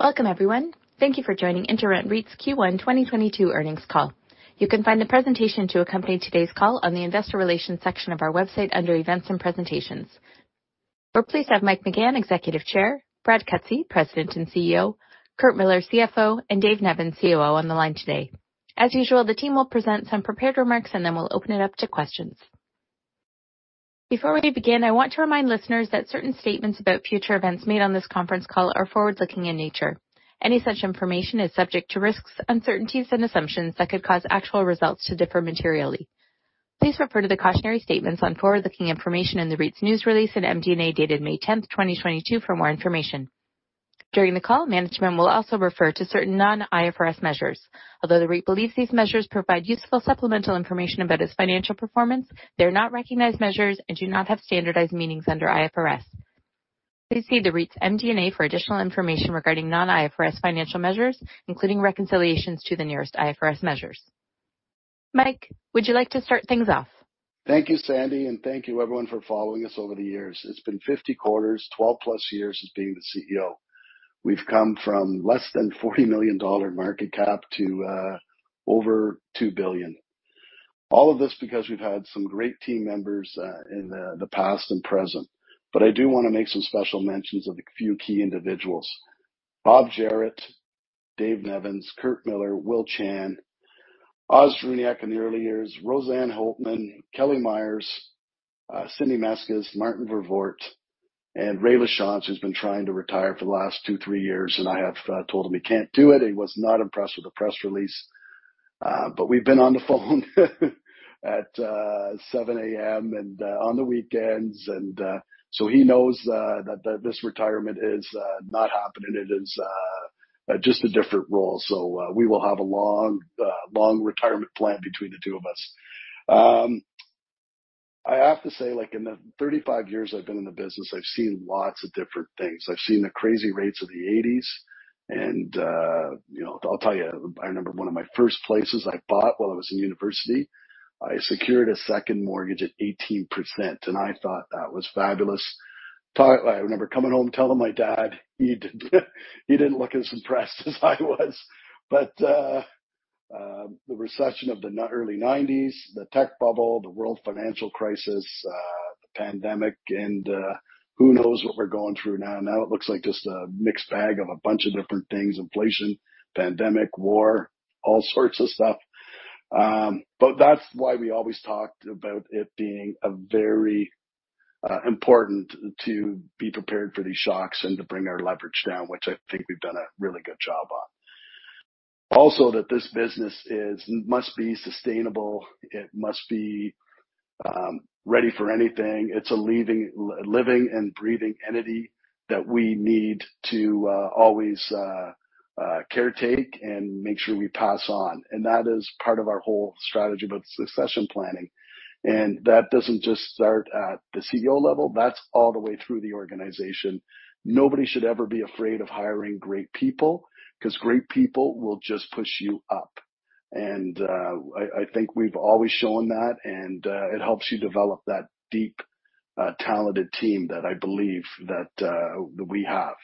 Welcome, everyone. Thank you for joining InterRent REIT's Q1 2022 Earnings Call. You can find the presentation to accompany today's call on the Investor Relations section of our website under Events and Presentations. We're pleased to have Mike McGahan, Executive Chair, Brad Cutsey, President and CEO, Curt Millar, CFO, and Dave Nevins, COO, on the line today. As usual, the team will present some prepared remarks, and then we'll open it up to questions. Before we begin, I want to remind listeners that certain statements about future events made on this conference call are forward-looking in nature. Any such information is subject to risks, uncertainties and assumptions that could cause actual results to differ materially. Please refer to the cautionary statements on forward-looking information in the REIT's news release and MD&A dated May 10, 2022 for more information. During the call, management will also refer to certain non-IFRS measures. Although the REIT believes these measures provide useful supplemental information about its financial performance, they are not recognized measures and do not have standardized meanings under IFRS. Please see the REIT's MD&A for additional information regarding non-IFRS financial measures, including reconciliations to the nearest IFRS measures. Mike, would you like to start things off? Thank you, Sandy, and thank you everyone for following us over the years. It's been 50 quarters, 12+ years since being the CEO. We've come from less than 40 million dollar market cap to over 2 billion. All of this because we've had some great team members in the past and present. I do wanna make some special mentions of a few key individuals. Bob Jarrett, Dave Nevins, Curt Millar, Will Chan, Ozren Runtic in the early years, Roseanne Holtman, Kelly Meyers, Cindy Masquez, Martin Vervoort, and Ray LaChance, who's been trying to retire for the last two to three years, and I have told him he can't do it. He was not impressed with the press release, but we've been on the phone at 7:00 A.M. and on the weekends and. He knows that this retirement is not happening. It is just a different role. We will have a long retirement plan between the two of us. I have to say, like, in the 35 years I've been in the business, I've seen lots of different things. I've seen the crazy rates of the 1980s and, you know, I'll tell you, I remember one of my first places I bought while I was in university, I secured a second mortgage at 18%, and I thought that was fabulous. I remember coming home telling my dad. He didn't look as impressed as I was. The recession of the early 1990s, the tech bubble, the world financial crisis, the pandemic, and, who knows what we're going through now. Now it looks like just a mixed bag of a bunch of different things, inflation, pandemic, war, all sorts of stuff. That's why we always talked about it being a very important to be prepared for these shocks and to bring our leverage down, which I think we've done a really good job on. Also, that this business must be sustainable. It must be ready for anything. It's a living and breathing entity that we need to always caretake and make sure we pass on. That is part of our whole strategy about succession planning. That doesn't just start at the CEO level. That's all the way through the organization. Nobody should ever be afraid of hiring great people because great people will just push you up. I think we've always shown that, and it helps you develop that deep, talented team that I believe that we have.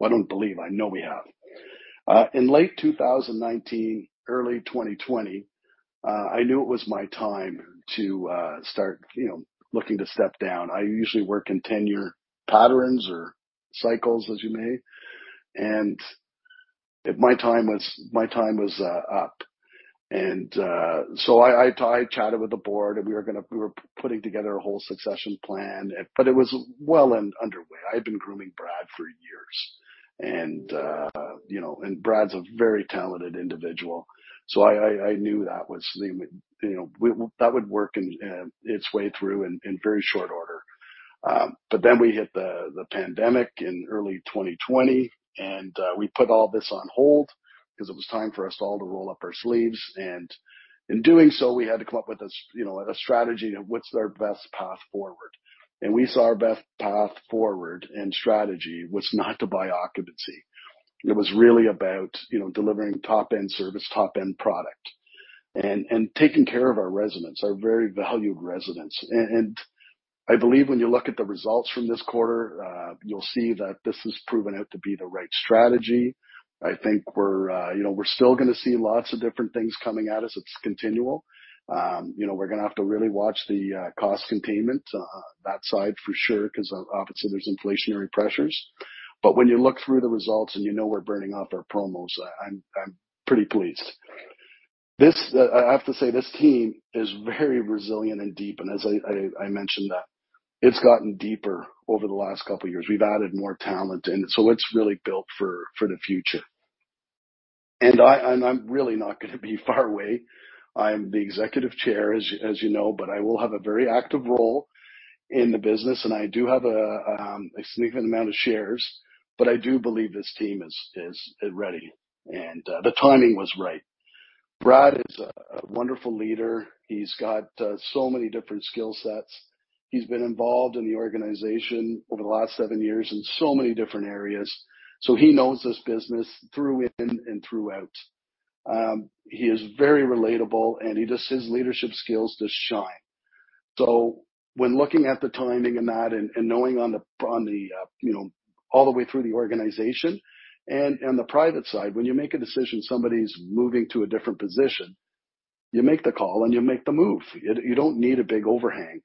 Well, I don't believe. I know we have. In late 2019, early 2020, I knew it was my time to start, you know, looking to step down. I usually work in 10-year patterns or cycles, as you may. My time was up. I chatted with the board, and we were putting together a whole succession plan, but it was well underway. I had been grooming Brad for years. You know, and Brad's a very talented individual, so I knew that would work its way through in very short order. We hit the pandemic in early 2020, and we put all this on hold because it was time for us all to roll up our sleeves. In doing so, we had to come up with you know, a strategy of what's our best path forward. We saw our best path forward and strategy was not to buy occupancy. It was really about, you know, delivering top-end service, top-end product and taking care of our residents, our very valued residents. I believe when you look at the results from this quarter, you'll see that this has proven out to be the right strategy. I think we're you know, still gonna see lots of different things coming at us. It's continual. You know, we're gonna have to really watch the cost containment, that side for sure, 'cause obviously there's inflationary pressures. But when you look through the results and you know we're burning off our promos, I'm pretty pleased. This, I have to say, this team is very resilient and deep. As I mentioned that it's gotten deeper over the last couple years. We've added more talent, and so it's really built for the future. I'm really not gonna be far away. I'm the Executive Chair, as you know, but I will have a very active role in the business, and I do have a significant amount of shares, but I do believe this team is ready, and the timing was right. Brad is a wonderful leader. He's got so many different skill sets. He's been involved in the organization over the last seven years in so many different areas, so he knows this business through and throughout. He is very relatable, and he just. His leadership skills just shine. When looking at the timing in that and knowing on the you know all the way through the organization and the private side, when you make a decision somebody's moving to a different position, you make the call and you make the move. You don't need a big overhang.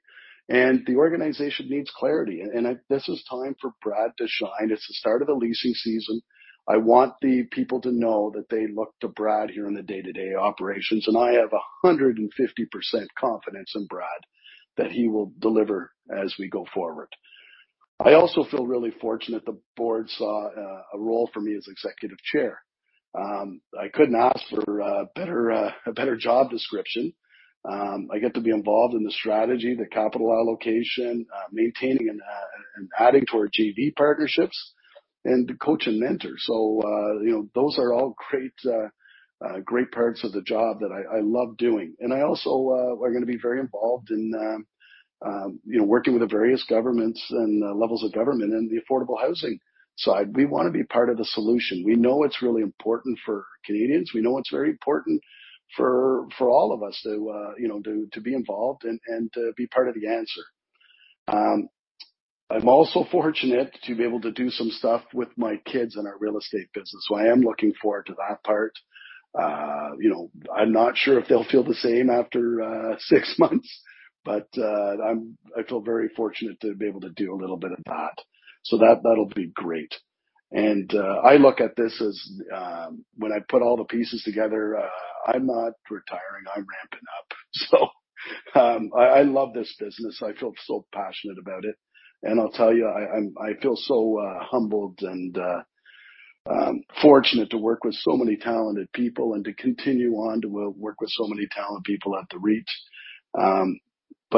The organization needs clarity. This is time for Brad to shine. It's the start of the leasing season. I want the people to know that they look to Brad here in the day-to-day operations, and I have 150% confidence in Brad that he will deliver as we go forward. I also feel really fortunate the board saw a role for me as Executive Chair. I couldn't ask for a better job description. I get to be involved in the strategy, the capital allocation, maintaining and adding to our JV partnerships and to coach and mentor. You know, those are all great parts of the job that I love doing. I also am gonna be very involved in, you know, working with the various governments and levels of government in the affordable housing side. We wanna be part of the solution. We know it's really important for Canadians. We know it's very important for all of us to be involved and to be part of the answer. I'm also fortunate to be able to do some stuff with my kids in our real estate business. I am looking forward to that part. I'm not sure if they'll feel the same after six months, but I feel very fortunate to be able to do a little bit of that. That'll be great. I look at this as when I put all the pieces together, I'm not retiring, I'm ramping up. I love this business. I feel so passionate about it. I'll tell you, I feel so humbled and fortunate to work with so many talented people and to continue on to work with so many talented people at the REIT.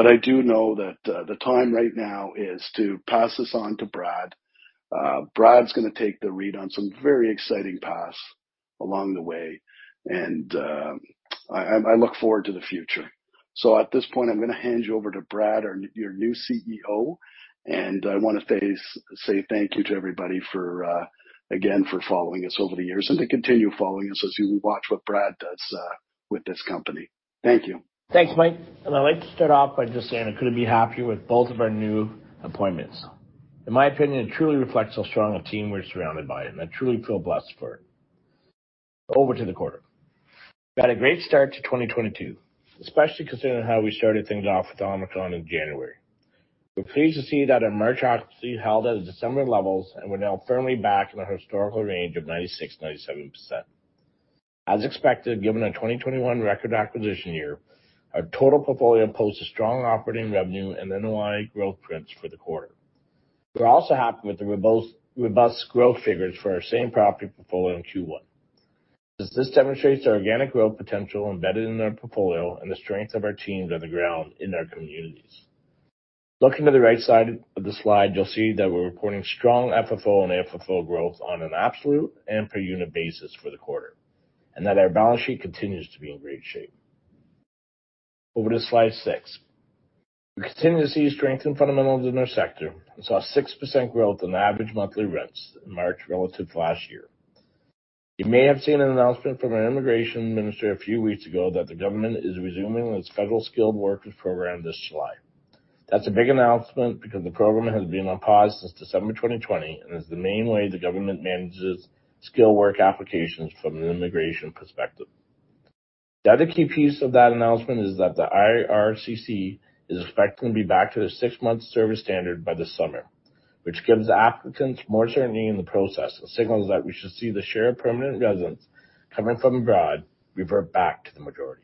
I do know that the time right now is to pass this on to Brad. Brad's gonna take the REIT on some very exciting paths along the way, and I look forward to the future. At this point, I'm gonna hand you over to Brad, your new CEO, and I wanna say thank you to everybody for again for following us over the years and to continue following us as you watch what Brad does with this company. Thank you. Thanks, Mike. I'd like to start off by just saying I couldn't be happier with both of our new appointments. In my opinion, it truly reflects how strong a team we're surrounded by, and I truly feel blessed for it. Over to the quarter. We had a great start to 2022, especially considering how we started things off with Omicron in January. We're pleased to see that our March occupancy held at its December levels, and we're now firmly back in the historical range of 96%-97%. As expected, given our 2021 record acquisition year, our total portfolio posted strong operating revenue and NOI growth prints for the quarter. We're also happy with the robust growth figures for our same property portfolio in Q1, as this demonstrates the organic growth potential embedded in our portfolio and the strengths of our teams on the ground in our communities. Looking to the right side of the slide, you'll see that we're reporting strong FFO and AFFO growth on an absolute and per unit basis for the quarter, and that our balance sheet continues to be in great shape. Over to slide six. We continue to see strength in fundamentals in our sector and saw 6% growth in average monthly rents in March relative to last year. You may have seen an announcement from our immigration minister a few weeks ago that the government is resuming its Federal Skilled Workers program this July. That's a big announcement because the program has been on pause since December 2020, and is the main way the government manages skilled worker applications from an immigration perspective. The other key piece of that announcement is that the IRCC is expecting to be back to their six month service standard by this summer, which gives applicants more certainty in the process and signals that we should see the share of permanent residents coming from abroad revert back to the majority.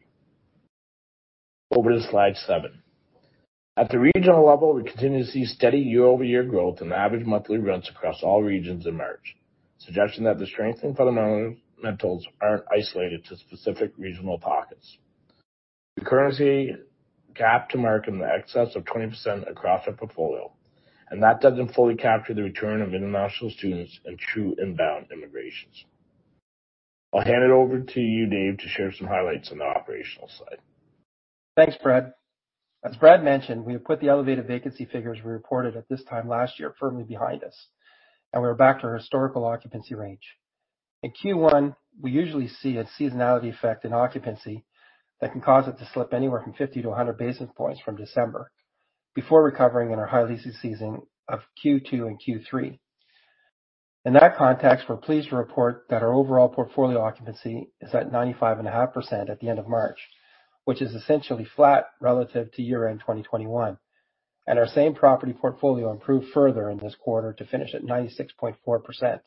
Over to slide seven. At the regional level, we continue to see steady year-over-year growth in average monthly rents across all regions in March, suggesting that the strength in fundamentals aren't isolated to specific regional pockets. The current cap rate in excess of 20% across our portfolio, and that doesn't fully capture the return of international students and true inbound immigration. I'll hand it over to you, Dave, to share some highlights on the operational side. Thanks, Brad. As Brad mentioned, we have put the elevated vacancy figures we reported at this time last year firmly behind us, and we're back to our historical occupancy range. In Q1, we usually see a seasonality effect in occupancy that can cause it to slip anywhere from 50-100 basis points from December before recovering in our high leasing season of Q2 and Q3. In that context, we're pleased to report that our overall portfolio occupancy is at 95.5% at the end of March, which is essentially flat relative to year-end 2021. Our same property portfolio improved further in this quarter to finish at 96.4%.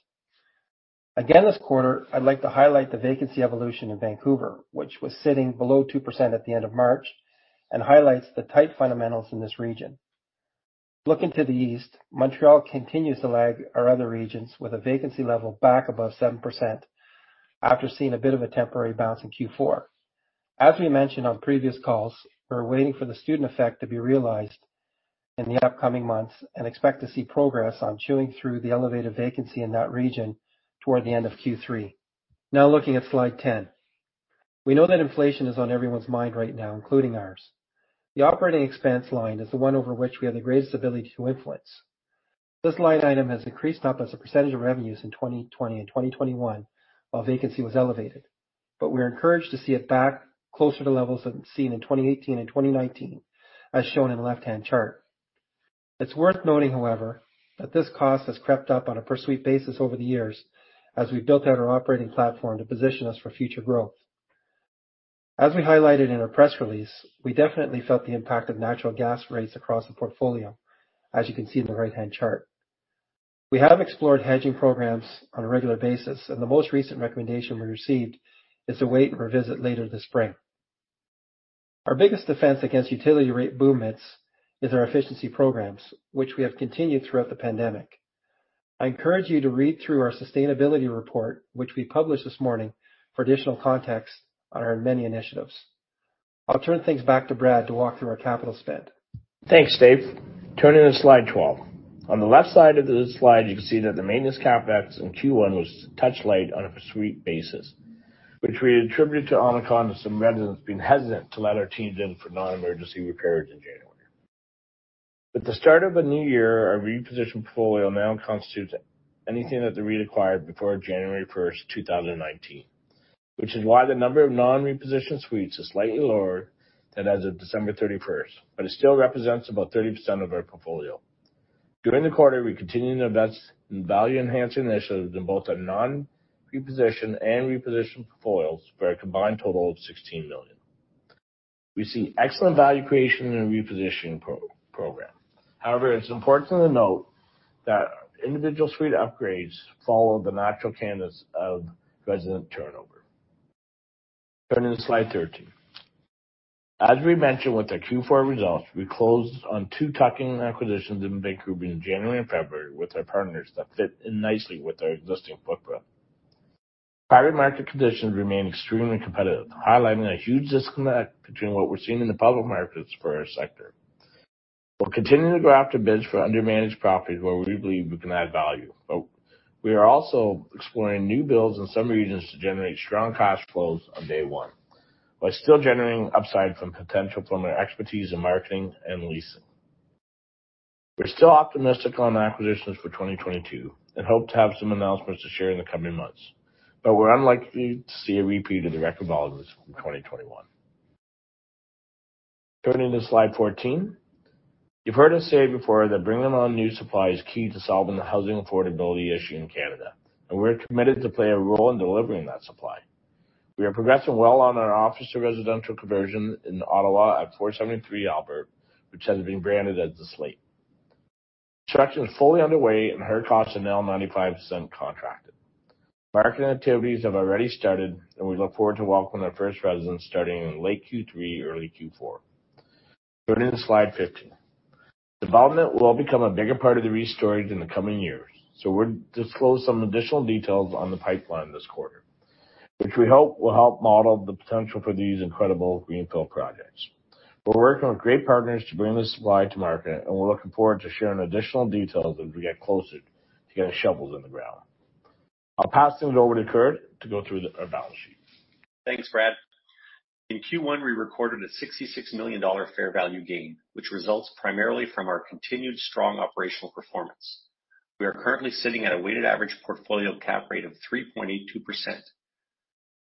Again, this quarter, I'd like to highlight the vacancy evolution in Vancouver, which was sitting below 2% at the end of March and highlights the tight fundamentals in this region. Looking to the east, Montreal continues to lag our other regions with a vacancy level back above 7% after seeing a bit of a temporary bounce in Q4. As we mentioned on previous calls, we're waiting for the student effect to be realized in the upcoming months and expect to see progress on chewing through the elevated vacancy in that region toward the end of Q3. Now looking at Slide 10. We know that inflation is on everyone's mind right now, including ours. The operating expense line is the one over which we have the greatest ability to influence. This line item has increased not as a percentage of revenues in 2020 and 2021 while vacancy was elevated, but we're encouraged to see it back closer to levels than seen in 2018 and 2019, as shown in the left-hand chart. It's worth noting, however, that this cost has crept up on a per suite basis over the years as we built out our operating platform to position us for future growth. As we highlighted in our press release, we definitely felt the impact of natural gas rates across the portfolio, as you can see in the right-hand chart. We have explored hedging programs on a regular basis, and the most recent recommendation we received is to wait and revisit later this spring. Our biggest defense against utility rate boomlets is our efficiency programs, which we have continued throughout the pandemic. I encourage you to read through our sustainability report, which we published this morning for additional context on our many initiatives. I'll turn things back to Brad to walk through our capital spend. Thanks, Dave. Turning to slide 12. On the left side of this slide, you can see that the maintenance CapEx in Q1 was too light on a per suite basis, which we attribute to on account of some residents being hesitant to let our teams in for non-emergency repairs in January. With the start of a new year, our repositioned portfolio now constitutes anything that the REIT acquired before January 1st, 2019. Which is why the number of non-reposition suites is slightly lower than as of December 31st, but it still represents about 30% of our portfolio. During the quarter, we continued to invest in value-enhancing initiatives in both our non-reposition and reposition portfolios for a combined total of 16 million. We see excellent value creation in the reposition program. However, it's important to note that individual suite upgrades follow the natural cadence of resident turnover. Turning to slide 13. As we mentioned with the Q4 results, we closed on two tuck-in acquisitions in Vancouver in January and February with our partners that fit in nicely with our existing footprint. Private market conditions remain extremely competitive, highlighting a huge disconnect between what we're seeing in the public markets for our sector. We're continuing to go after bids for undermanaged properties where we believe we can add value. We are also exploring new builds in some regions to generate strong cash flows on day one while still generating upside potential from our expertise in marketing and leasing. We're still optimistic on acquisitions for 2022 and hope to have some announcements to share in the coming months. We're unlikely to see a repeat of the record volumes from 2021. Turning to slide 14. You've heard us say before that bringing on new supply is key to solving the housing affordability issue in Canada, and we're committed to play a role in delivering that supply. We are progressing well on our office to residential conversion in Ottawa at 473 Albert, which has been branded as The Slaighte. Construction is fully underway and hard costs are now 95% contracted. Marketing activities have already started, and we look forward to welcoming our first residents starting in late Q3, early Q4. Turning to slide 15. Development will become a bigger part of the REIT story in the coming years, so we'll disclose some additional details on the pipeline this quarter, which we hope will help model the potential for these incredible greenfield projects. We're working with great partners to bring this supply to market, and we're looking forward to sharing additional details as we get closer to getting shovels in the ground. I'll pass things over to Curt to go through our balance sheet. Thanks, Brad. In Q1, we recorded a 66 million dollar fair value gain, which results primarily from our continued strong operational performance. We are currently sitting at a weighted average portfolio cap rate of 3.82%.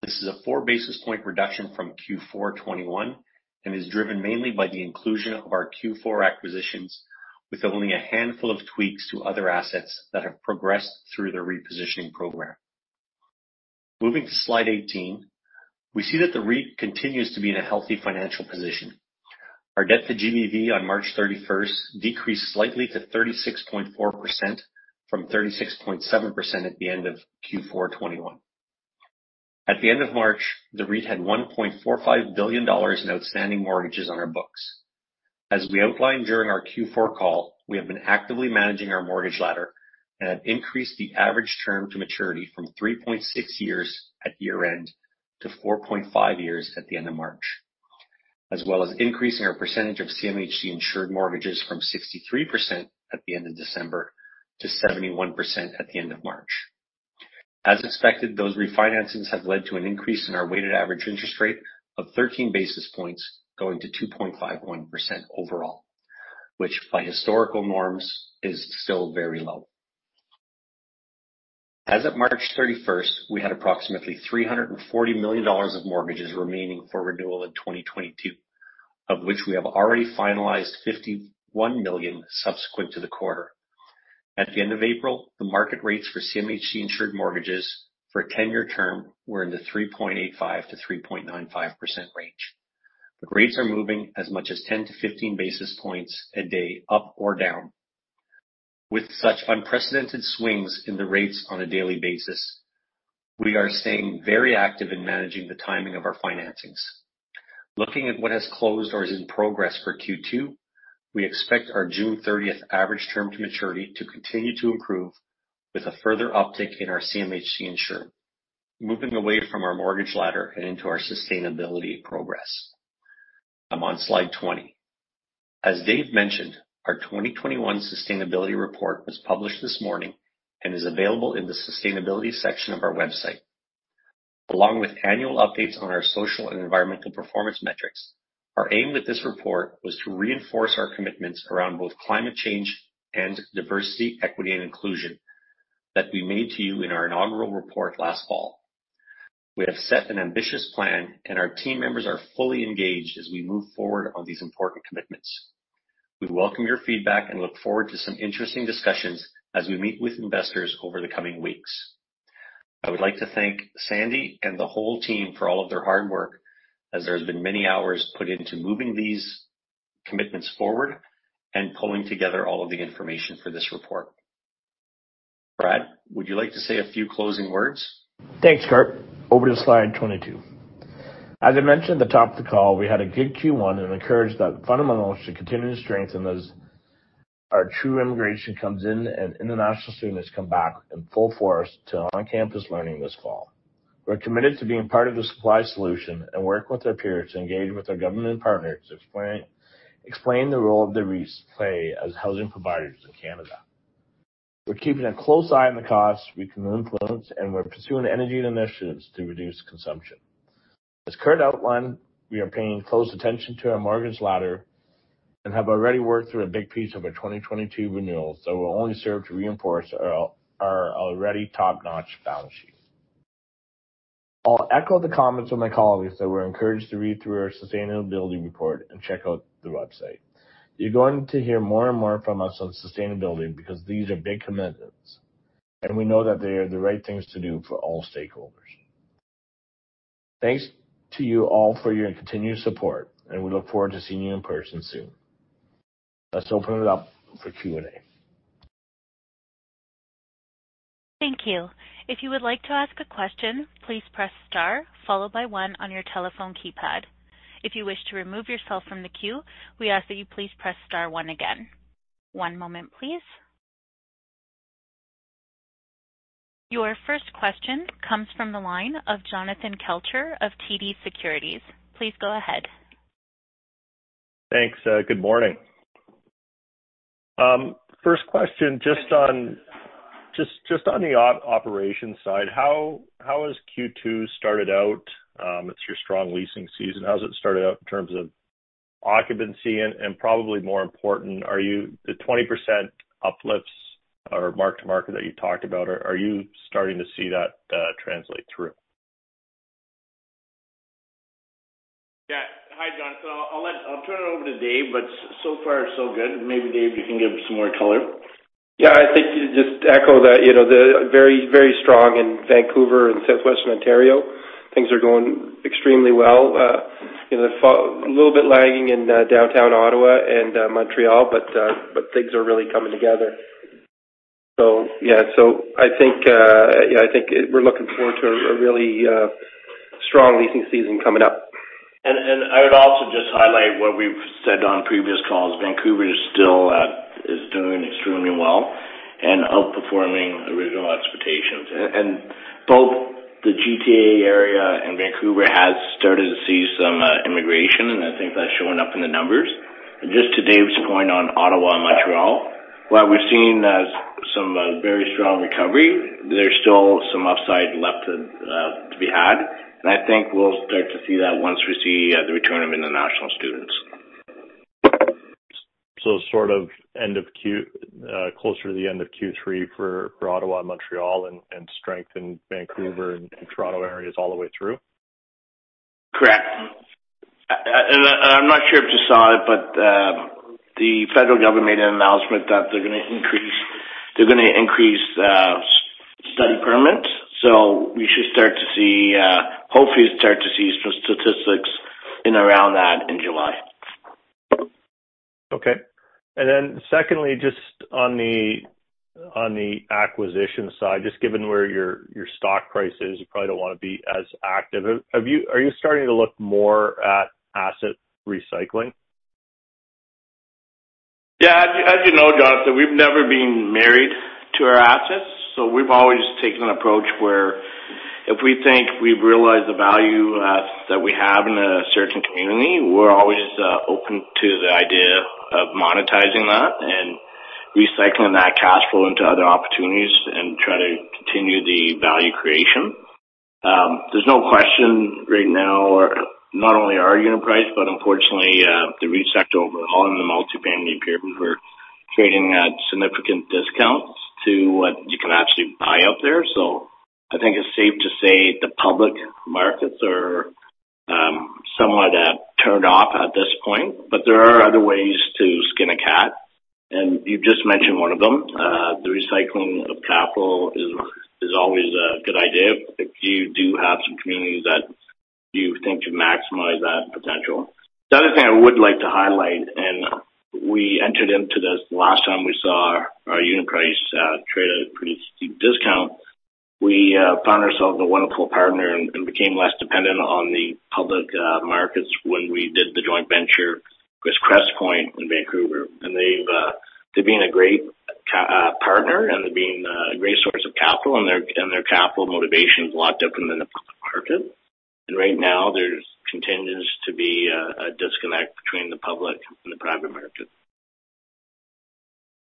This is a four basis point reduction from Q4 2021 and is driven mainly by the inclusion of our Q4 acquisitions with only a handful of tweaks to other assets that have progressed through the repositioning program. Moving to slide 18, we see that the REIT continues to be in a healthy financial position. Our debt-to-GBV on March 31st decreased slightly to 36.4% from 36.7% at the end of Q4 2021. At the end of March, the REIT had 1.45 billion dollars in outstanding mortgages on our books. As we outlined during our Q4 call, we have been actively managing our mortgage ladder and have increased the average term to maturity from 3.6 years at year-end to 4.5 years at the end of March, as well as increasing our percentage of CMHC insured mortgages from 63% at the end of December to 71% at the end of March. As expected, those refinances have led to an increase in our weighted average interest rate of 13 basis points going to 2.51% overall, which by historical norms, is still very low. As of March 31st, we had approximately 340 million dollars of mortgages remaining for renewal in 2022, of which we have already finalized 51 million subsequent to the quarter. At the end of April, the market rates for CMHC insured mortgages for a 10-year term were in the 3.85%-3.95% range, but rates are moving as much as 10-15 basis points a day up or down. With such unprecedented swings in the rates on a daily basis, we are staying very active in managing the timing of our financings. Looking at what has closed or is in progress for Q2, we expect our June 30th average term to maturity to continue to improve with a further uptick in our CMHC-insured. Moving away from our mortgage ladder and into our sustainability progress. I'm on slide 20. As Dave mentioned, our 2021 sustainability report was published this morning and is available in the sustainability section of our website, along with annual updates on our social and environmental performance metrics. Our aim with this report was to reinforce our commitments around both climate change and diversity, equity and inclusion that we made to you in our inaugural report last fall. We have set an ambitious plan, and our team members are fully engaged as we move forward on these important commitments. We welcome your feedback and look forward to some interesting discussions as we meet with investors over the coming weeks. I would like to thank Sandy and the whole team for all of their hard work as there has been many hours put into moving these commitments forward and pulling together all of the information for this report. Brad, would you like to say a few closing words? Thanks, Curt. Over to slide 22. As I mentioned at the top of the call, we had a good Q1 and are encouraged that fundamentals to continue to strengthen as our true immigration comes in and international students come back in full force to on-campus learning this fall. We're committed to being part of the supply solution and work with our peers to engage with our government partners, explain the role the REITs play as housing providers in Canada. We're keeping a close eye on the costs we can influence, and we're pursuing energy initiatives to reduce consumption. As Curt outlined, we are paying close attention to our mortgage ladder and have already worked through a big piece of our 2022 renewals that will only serve to reinforce our already top-notch balance sheet. I'll echo the comments from my colleagues that we're encouraged to read through our sustainability report and check out the website. You're going to hear more and more from us on sustainability because these are big commitments, and we know that they are the right things to do for all stakeholders. Thanks to you all for your continued support, and we look forward to seeing you in person soon. Let's open it up for Q&A. Thank you. If you would like to ask a question, please press star followed by one on your telephone keypad. If you wish to remove yourself from the queue, we ask that you please press star one again. One moment, please. Your first question comes from the line of Jonathan Kelcher of TD Securities. Please go ahead. Thanks. Good morning. First question, just on the operations side, how has Q2 started out? It's your strong leasing season. How's it started out in terms of occupancy? Probably more important, the 20% uplifts or mark-to-market that you talked about, are you starting to see that translate through? Yeah. Hi, John. I'll turn it over to Dave, but so far, so good. Maybe Dave, you can give some more color. Yeah, I think to just echo that, you know, very, very strong in Vancouver and Southwestern Ontario. Things are going extremely well. You know, a little bit lagging in downtown Ottawa and Montreal, but things are really coming together. Yeah. I think, yeah, I think we're looking forward to a really strong leasing season coming up. I would also just highlight what we've said on previous calls. Vancouver is still doing extremely well and outperforming original expectations. Both the GTA area and Vancouver have started to see some immigration, and I think that's showing up in the numbers. Just to Dave's point on Ottawa and Montreal, while we've seen some very strong recovery, there's still some upside left to be had. I think we'll start to see that once we see the return of international students. Sort of closer to the end of Q3 for Ottawa and Montreal and strength in Vancouver and Toronto areas all the way through? Correct. I'm not sure if you saw it, but the federal government made an announcement that they're gonna increase study permits. We should hopefully start to see some statistics in around that in July. Okay. Secondly, just on the acquisition side, just given where your stock price is, you probably don't want to be as active. Are you starting to look more at asset recycling? Yeah. As you know, Jonathan, we've never been married to our assets, so we've always taken an approach where if we think we realize the value that we have in a certain community, we're always open to the idea of monetizing that and recycling that cash flow into other opportunities and try to continue the value creation. There's no question right now, not only our unit price, but unfortunately, the REIT sector overall in the multifamily sector, we're trading at significant discounts to what you can actually buy out there. I think it's safe to say the public markets are somewhat turned off at this point, but there are other ways to skin a cat, and you've just mentioned one of them. The recycling of capital is always a good idea if you do have some communities that do you think to maximize that potential. The other thing I would like to highlight, we entered into this the last time we saw our unit price trade at a pretty steep discount. We found ourselves a wonderful partner and became less dependent on the public markets when we did the joint venture with Crestpoint in Vancouver. They've been a great partner, and they've been a great source of capital, and their capital motivation is a lot different than the public market. Right now, there continues to be a disconnect between the public and the private market.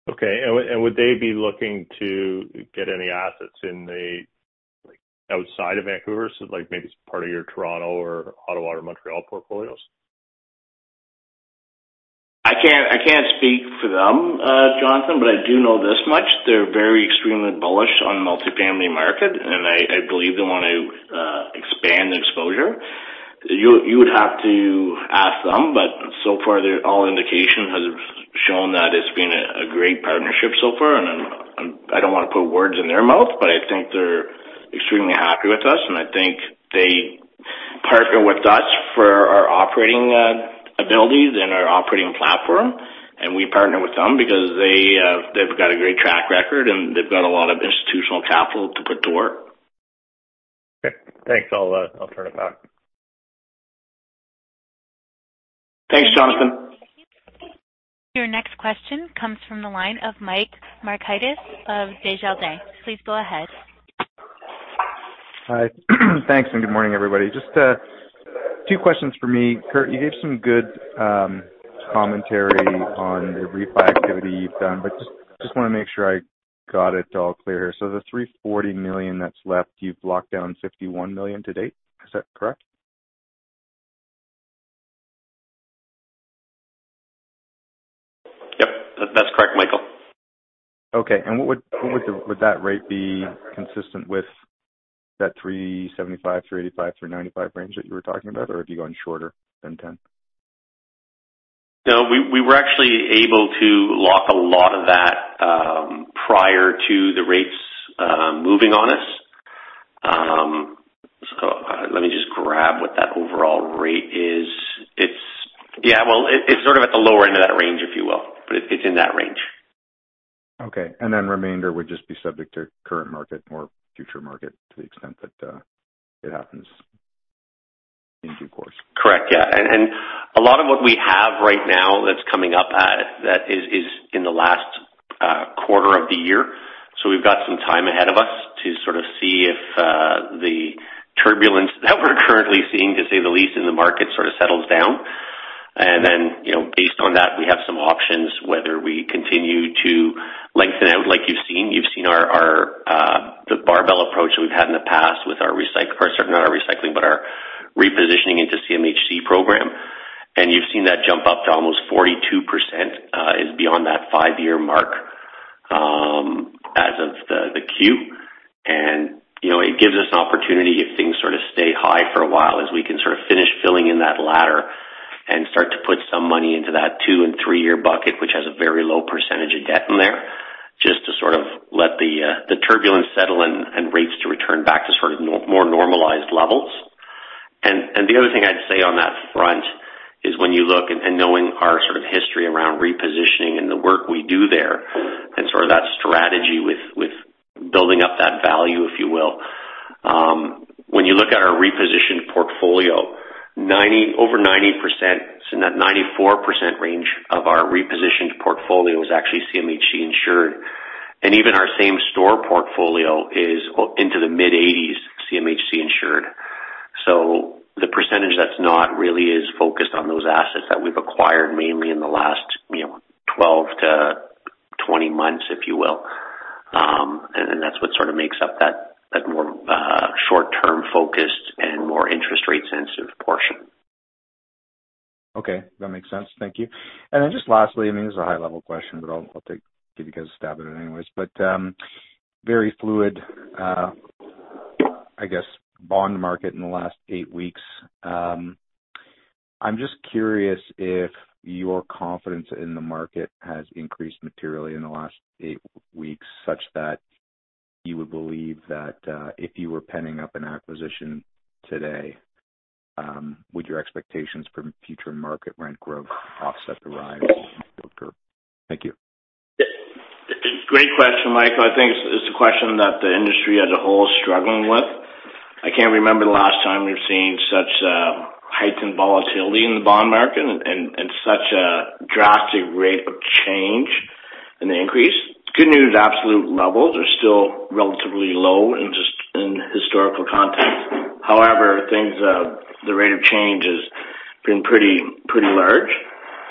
Would they be looking to get any assets outside of Vancouver, so like maybe part of your Toronto or Ottawa or Montreal portfolios? I can't speak for them, Jonathan, but I do know this much. They're very extremely bullish on the multifamily market, and I believe they wanna expand exposure. You would have to ask them, but so far, all their indications have shown that it's been a great partnership so far. I don't wanna put words in their mouth, but I think they're extremely happy with us. I think they partner with us for our operating abilities and our operating platform. We partner with them because they've got a great track record, and they've got a lot of institutional capital to put to work. Okay, thanks. I'll turn it back. Thanks, Jonathan. Your next question comes from the line of Mike Markidis of Desjardins. Please go ahead. Hi. Thanks, and good morning, everybody. Just two questions for me. Curt, you gave some good commentary on the refi activity you've done, but just wanna make sure I got it all clear here. The 340 million that's left, you've locked down 51 million to date. Is that correct? Yep. That's correct, Michael. Okay. What would that rate be consistent with that 3.75%, 3.85%, 3.95% range that you were talking about, or are you going shorter than 10%? No. We were actually able to lock a lot of that prior to the rates moving on us. Let me just grab what that overall rate is. It's. Yeah. Well, it's sort of at the lower end of that range, if you will, but it's in that range. Okay. Then remainder would just be subject to current market or future market to the extent that it happens in due course. Correct. Yeah. A lot of what we have right now that's coming up that is in the last quarter of the year. We've got some time ahead of us to sort of see if the turbulence that we're currently seeing, to say the least, in the market sort of settles down. Then, you know, based on that, we have some options whether we continue to lengthen out like you've seen. You've seen our the barbell approach that we've had in the past with our repositioning into CMHC program. You've seen that jump up to almost 42% is beyond that five-year mark, as of the Q. You know, it gives us an opportunity if things sort of stay high for a while, as we can sort of finish filling in that ladder and start to put some money into that two and three year bucket, which has a very low percentage of debt in there, just to sort of let the turbulence settle and rates to return back to sort of more normalized levels. The other thing I'd say on that front is when you look, knowing our sort of history around repositioning and the work we do there and sort of that strategy with building up that value, if you will. When you look at our repositioned portfolio, over 90%, it's in that 94% range of our repositioned portfolio is actually CMHC insured. Even our same-store portfolio is into the mid-80s% CMHC insured. The percentage that's not really is focused on those assets that we've acquired mainly in the last, you know, 12-20 months, if you will. That's what sort of makes up that more short-term focused and more interest rate sensitive portion. Okay. That makes sense. Thank you. Then just lastly, I mean, this is a high level question, but I'll give you guys a stab at it anyways. Very fluid bond market in the last eight weeks. I'm just curious if your confidence in the market has increased materially in the last eight weeks, such that you would believe that if you were penciling an acquisition today, would your expectations for future market rent growth offset the rise in the yield curve? Thank you. Great question, Mike. I think it's a question that the industry as a whole is struggling with. I can't remember the last time we've seen such heightened volatility in the bond market and such a drastic rate of change in the increase. Good news, absolute levels are still relatively low in historical context. However, things the rate of change has been pretty large.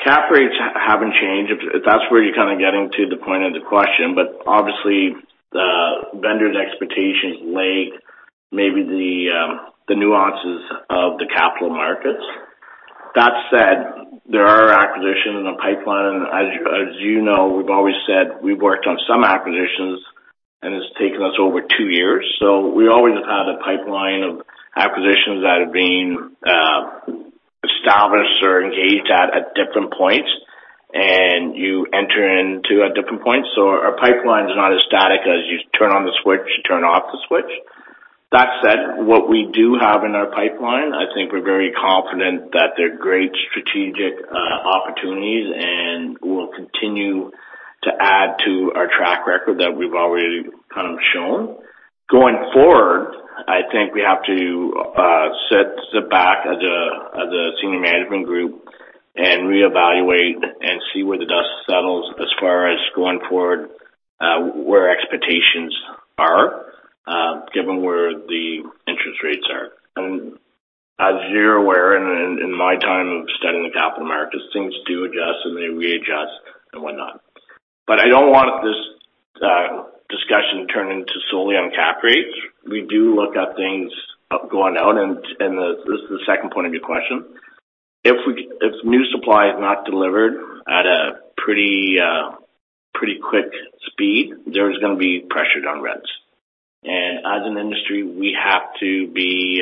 Cap rates haven't changed. If that's where you're kinda getting to the point of the question, but obviously, the vendors' expectations lag maybe the nuances of the capital markets. That said, there are acquisitions in the pipeline. As you know, we've always said we've worked on some acquisitions, and it's taken us over two years. We always have had a pipeline of acquisitions that have been are engaged at different points, and you enter into at different points. Our pipeline is not as static as you turn on the switch, you turn off the switch. That said, what we do have in our pipeline, I think we're very confident that they're great strategic opportunities, and we'll continue to add to our track record that we've already kind of shown. Going forward, I think we have to sit back as a senior management group and reevaluate and see where the dust settles as far as going forward, where expectations are, given where the interest rates are. As you're aware, in my time of studying the capital markets, things do adjust and they readjust and whatnot. I don't want this discussion turn into solely on cap rates. This is the second point of your question. If new supply is not delivered at a pretty quick speed, there's gonna be pressure on rents. As an industry, we have to be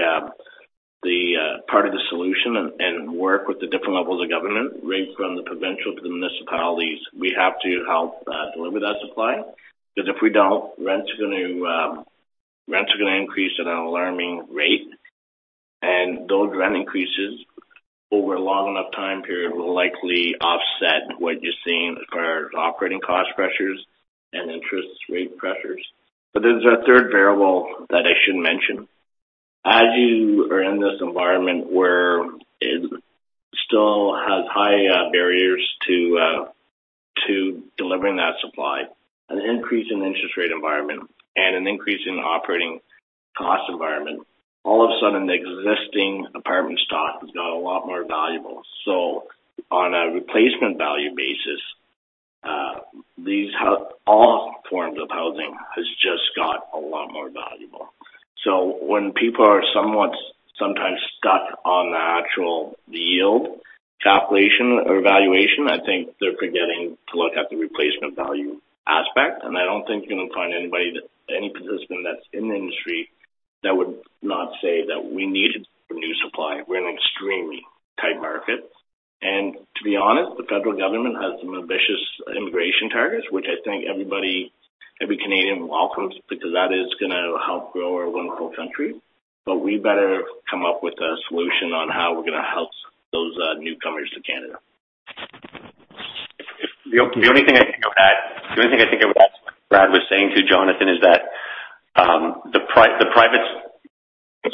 the part of the solution and work with the different levels of government, right from the provincial to the municipalities. We have to help deliver that supply because if we don't, rents are gonna increase at an alarming rate. Those rent increases over a long enough time period will likely offset what you're seeing as far as operating cost pressures and interest rate pressures. There's a third variable that I should mention. As you are in this environment where it still has high barriers to delivering that supply, an increase in interest rate environment and an increase in operating cost environment, all of a sudden the existing apartment stock has got a lot more valuable. On a replacement value basis, all forms of housing has just got a lot more valuable. When people are somewhat sometimes stuck on the actual yield calculation or valuation, I think they're forgetting to look at the replacement value aspect. I don't think you're gonna find any participant that's in the industry that would not say that we needed the new supply. We're an extremely tight market. To be honest, the federal government has some ambitious immigration targets, which I think everybody, every Canadian welcomes, because that is gonna help grow our wonderful country. We better come up with a solution on how we're gonna house those, newcomers to Canada. The only thing I think I would add to what Brad was saying too, Jonathan, is that, the privates.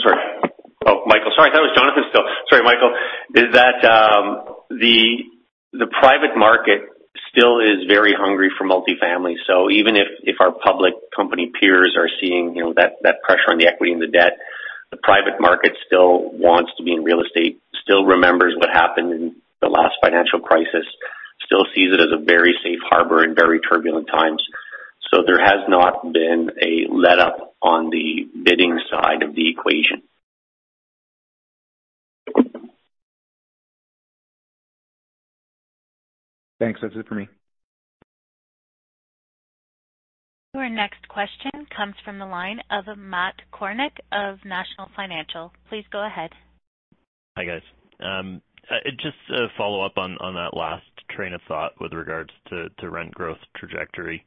Sorry. Oh, Mike. Sorry, I thought it was Jonathan still. Sorry, Mike. The private market still is very hungry for multifamily. So even if our public company peers are seeing, you know, that pressure on the equity and the debt, the private market still wants to be in real estate, still remembers what happened in the last financial crisis, still sees it as a very safe harbor in very turbulent times. So there has not been a letup on the bidding side of the equation. Thanks. That's it for me. Our next question comes from the line of Matt Kornack of National Bank Financial. Please go ahead. Hi, guys. Just to follow up on that last train of thought with regards to rent growth trajectory.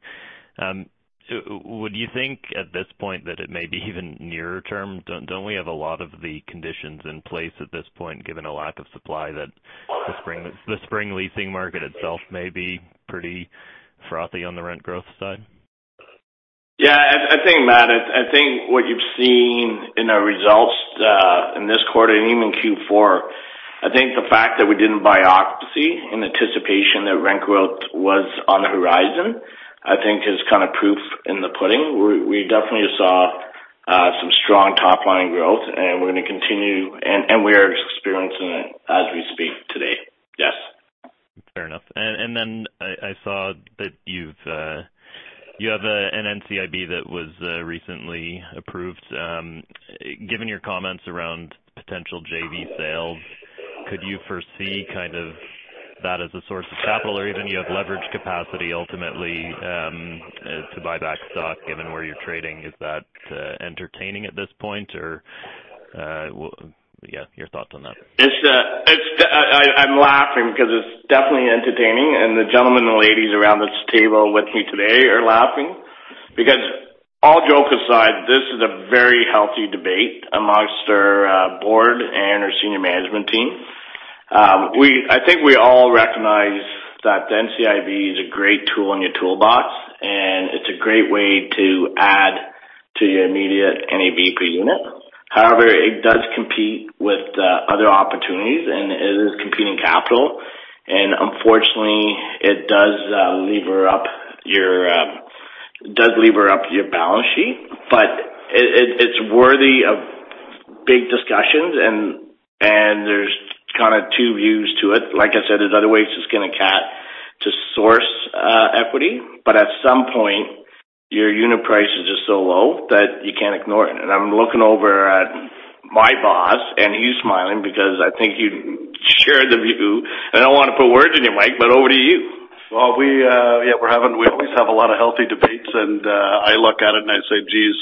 Would you think at this point that it may be even nearer term? Don't we have a lot of the conditions in place at this point, given a lack of supply that the spring leasing market itself may be pretty frothy on the rent growth side? Yeah. I think, Matt, I think what you've seen in our results in this quarter and even Q4, I think the fact that we didn't boost occupancy in anticipation that rent growth was on the horizon is kind of proof in the pudding. We definitely saw some strong top-line growth, and we're gonna continue, and we are experiencing it as we speak today. Yes. Fair enough. Then I saw that you have an NCIB that was recently approved. Given your comments around potential JV sales, could you foresee kind of that as a source of capital or even you have leverage capacity ultimately to buy back stock given where you're trading? Is that entertaining at this point or yeah, your thoughts on that? I'm laughing because it's definitely entertaining and the gentlemen and ladies around this table with me today are laughing. All jokes aside, this is a very healthy debate among our board and our senior management team. I think we all recognize that the NCIB is a great tool in your toolbox, and it's a great way to add to your immediate NAV per unit. However, it does compete with other opportunities, and it is competing capital. Unfortunately, it does lever up your balance sheet. It's worthy of big discussions, and there's kind of two views to it. Like I said, there's other ways to source equity. At some point, your unit prices are so low that you can't ignore it. I'm looking over at my boss, and he's smiling because I think you share the view. I don't wanna put words in your Mike, but over to you. Well, we're having, with have a lot of healthy debates. I looked at messages.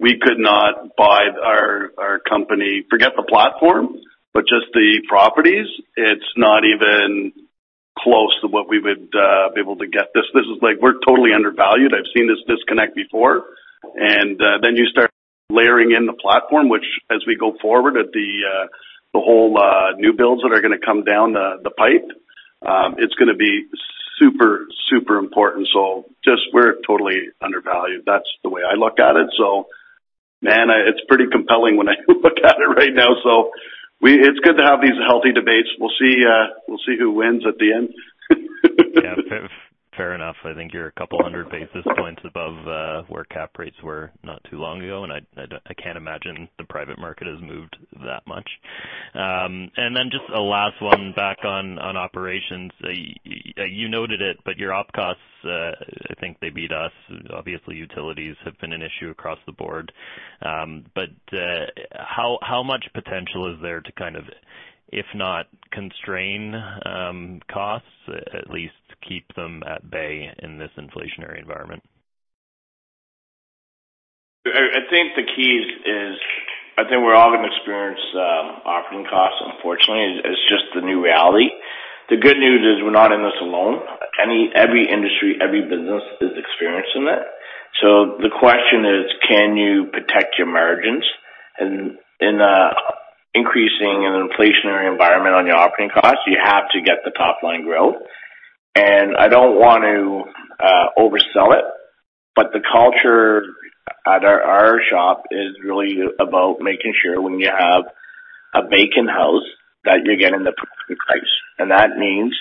We could not buy our company. Forget the platform, but just the properties, it's not even close to what we would be able to get this. This is like we're totally undervalued. I've seen this disconnect before, and then you start layering in the platform, which as we go forward at the whole new builds that are gonna come down the pipe, it's gonna be super important. Just we're totally undervalued. That's the way I look at it. Man, it's pretty compelling when I look at it right now. It's good to have these healthy debates. We'll see who wins at the end. Yeah. Fair enough. I think you're 200 basis points above where cap rates were not too long ago, and I can't imagine the private market has moved that much. Then just a last one back on operations. You noted it, but your op costs I think they beat us. Obviously, utilities have been an issue across the board. How much potential is there to kind of, if not constrain costs, at least keep them at bay in this inflationary environment? I think the key is, I think we're all gonna experience operating costs unfortunately. It's just the new reality. The good news is we're not in this alone. Every industry, every business is experiencing it. The question is, can you protect your margins? In an increasing and inflationary environment on your operating costs, you have to get the top line growth. I don't want to oversell it, but the culture at our shop is really about making sure when you have a vacant house that you're getting the price. That means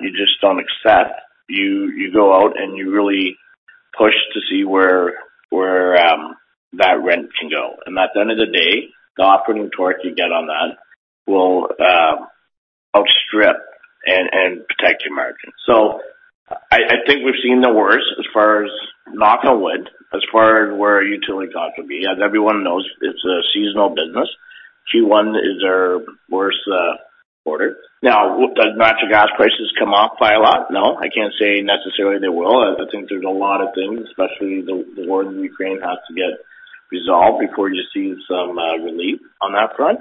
you just don't accept. You go out, and you really push to see where that rent can go. At the end of the day, the operating torque you get on that will outstrip and protect your margins. I think we've seen the worst as far as knock on wood, as far as where utility costs will be. As everyone knows, it's a seasonal business. Q1 is our worst quarter. Now, does natural gas prices come off by a lot? No, I can't say necessarily they will. I think there's a lot of things, especially the war in Ukraine has to get resolved before you see some relief on that front.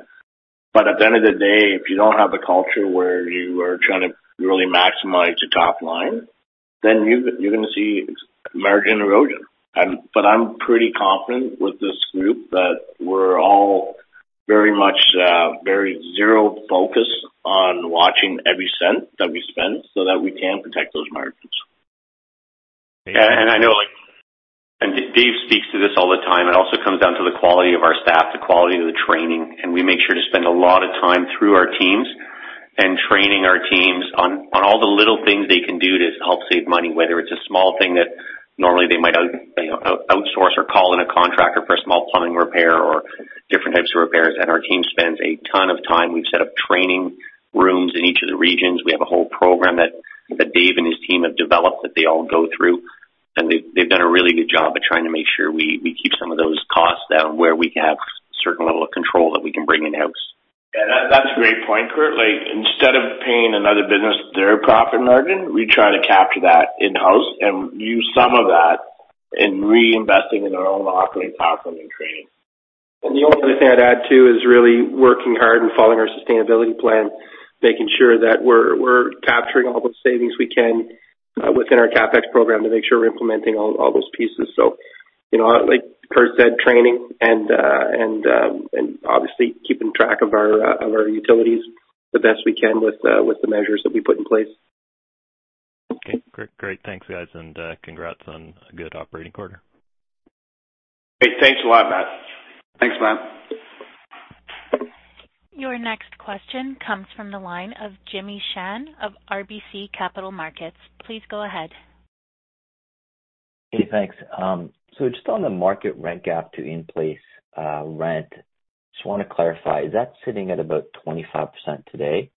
At the end of the day, if you don't have the culture where you are trying to really maximize the top line, then you're gonna see margin erosion. I'm pretty confident with this group that we're all very much zeroed focused on watching every cent that we spend so that we can protect those margins. I know, like, Dave speaks to this all the time. It also comes down to the quality of our staff, the quality of the training, and we make sure to spend a lot of time through our teams and training our teams on all the little things they can do to help save money, whether it's a small thing that normally they might outsource, you know, or call in a contractor for a small plumbing repair or different types of repairs. Our team spends a ton of time. We've set up training rooms in each of the regions. We have a whole program that Dave and his team have developed, that they all go through, and they've done a really good job of trying to make sure we keep some of those costs down where we have certain level of control that we can bring in-house. Yeah, that's a great point, Curt. Like, instead of paying another business their profit margin, we try to capture that in-house and use some of that in reinvesting in our own operating platform and training. The only other thing I'd add, too, is really working hard and following our sustainability plan, making sure that we're capturing all the savings we can within our CapEx program to make sure we're implementing all those pieces. You know, like Curt said, training and obviously keeping track of our utilities the best we can with the measures that we put in place. Okay. Great, great. Thanks, guys. Congrats on a good operating quarter. Great. Thanks a lot, Matt. Thanks, Matt. Your next question comes from the line of Jimmy Shan of RBC Capital Markets. Please go ahead. Hey, thanks. Just on the market rent gap to in-place rent, just wanna clarify, is that sitting at about 25% today?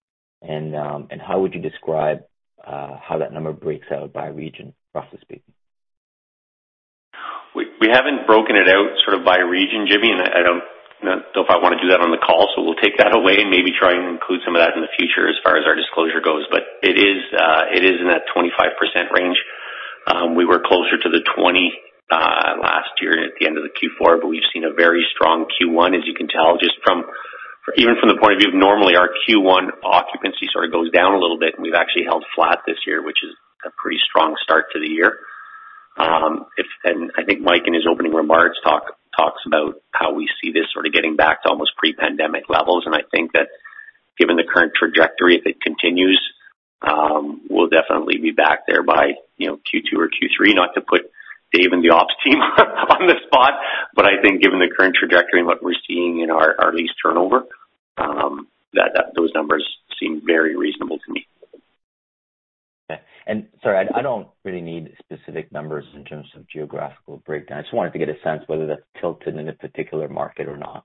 How would you describe how that number breaks out by region, roughly speaking? We haven't broken it out sort of by region, Jimmy, and I don't know if I wanna do that on the call, so we'll take that away and maybe try and include some of that in the future as far as our disclosure goes. But it is in that 25% range. We were closer to the 20% last year at the end of the Q4, but we've seen a very strong Q1, as you can tell, just from the point of view of normally our Q1 occupancy sort of goes down a little bit, and we've actually held flat this year, which is a pretty strong start to the year. I think Mike in his opening remarks talks about how we see this sort of getting back to almost pre-pandemic levels. I think that given the current trajectory, if it continues, we'll definitely be back there by, you know, Q2 or Q3. Not to put Dave and the ops team on the spot, but I think given the current trajectory and what we're seeing in our lease turnover, that those numbers seem very reasonable to me. Okay. Sorry, I don't really need specific numbers in terms of geographical breakdown. I just wanted to get a sense whether that's tilted in a particular market or not.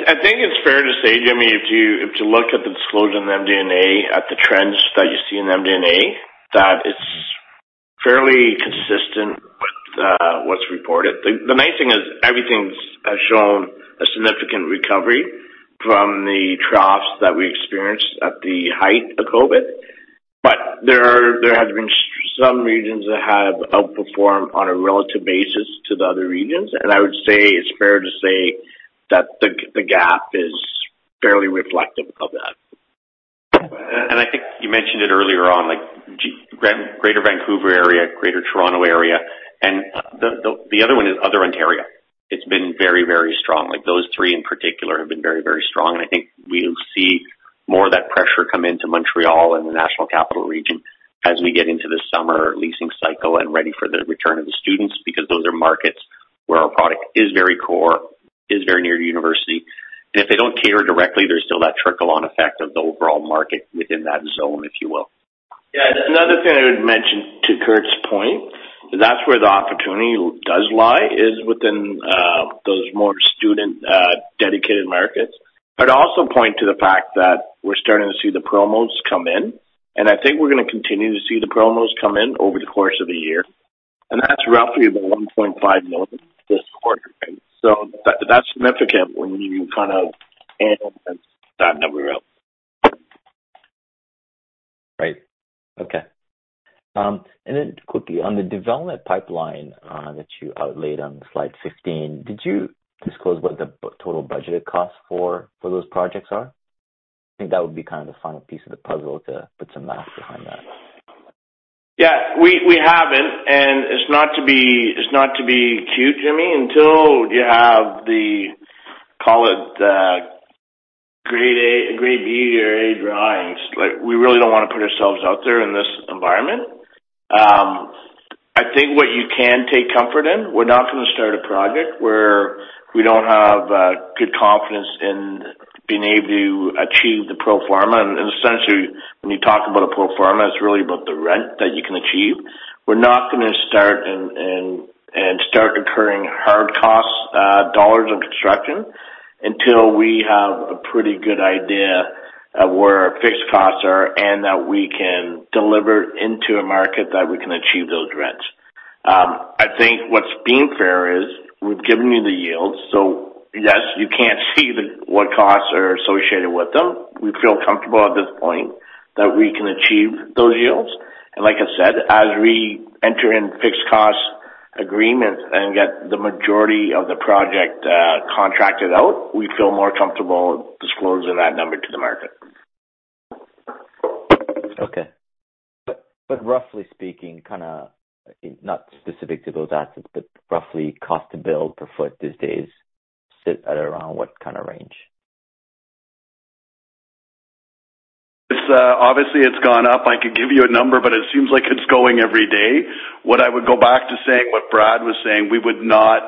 I think it's fair to say, Jimmy, if you look at the disclosure in the MD&A, at the trends that you see in the MD&A, that it's fairly consistent with what's reported. The main thing is everything's shown significant recovery from the troughs that we experienced at the height of COVID. There has been some regions that have outperformed on a relative basis to the other regions. I would say it's fair to say that the gap is fairly reflective of that. I think you mentioned it earlier on, like Greater Vancouver area, Greater Toronto area, and the other one is other Ontario. It's been very, very strong. Like, those three in particular have been very, very strong. I think we'll see more of that pressure come into Montreal and the National Capital Region as we get into the summer leasing cycle and ready for the return of the students, because those are markets where our product is very core, is very near university. If they don't cater directly, there's still that trickle-on effect of the overall market within that zone, if you will. Yeah. Another thing I would mention to Curt's point, that's where the opportunity lies is within those more student dedicated markets. I'd also point to the fact that we're starting to see the promos come in, and I think we're gonna continue to see the promos come in over the course of the year, and that's roughly about 1.5 million this quarter. That's significant when you kind of add that number up. Right. Okay. Quickly on the development pipeline, that you outlaid on slide 15, did you disclose what the total budgeted cost for those projects are? I think that would be kind of the final piece of the puzzle to put some math behind that. Yeah. We haven't, and it's not to be cute, Jimmy. Until you have the, call it, grade B or A drawings, like, we really don't wanna put ourselves out there in this environment. I think what you can take comfort in, we're not gonna start a project where we don't have good confidence in being able to achieve the pro forma. Essentially, when you talk about a pro forma, it's really about the rent that you can achieve. We're not gonna start incurring hard costs, dollars of construction until we have a pretty good idea of where our fixed costs are and that we can deliver into a market that we can achieve those rents. I think what's being fair is we've given you the yields, so yes, you can't see what costs are associated with them. We feel comfortable at this point that we can achieve those yields. Like I said, as we enter in fixed cost agreements and get the majority of the project contracted out, we feel more comfortable disclosing that number to the market. Okay. Roughly speaking, kinda, I think not specific to those assets, but roughly cost to build per foot these days sit at around what kinda range? Obviously it's gone up. I could give you a number, but it seems like it's going every day. What I would go back to saying what Brad was saying, we would not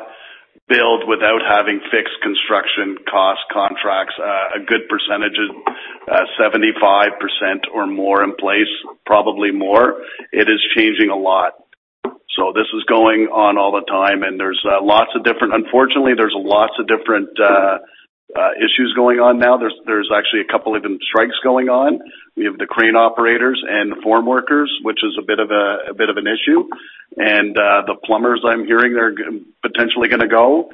build without having fixed construction cost contracts, a good percentage of 75% or more in place, probably more. It is changing a lot. This is going on all the time. Unfortunately, there's lots of different issues going on now. There's actually a couple even strikes going on. We have the crane operators and the form workers, which is a bit of an issue. The plumbers I'm hearing they're potentially gonna go.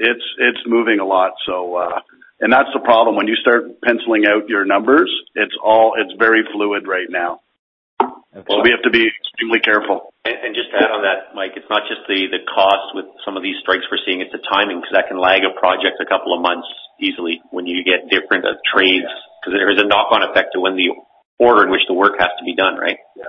It's moving a lot. That's the problem. When you start penciling out your numbers, it's very fluid right now. Okay. We have to be extremely careful. Just to add on that, Mike, it's not just the cost with some of these strikes we're seeing, it's the timing, 'cause that can lag a project a couple of months easily when you get different trades. Yeah. 'Cause there is a knock-on effect to when the order in which the work has to be done, right? Yes.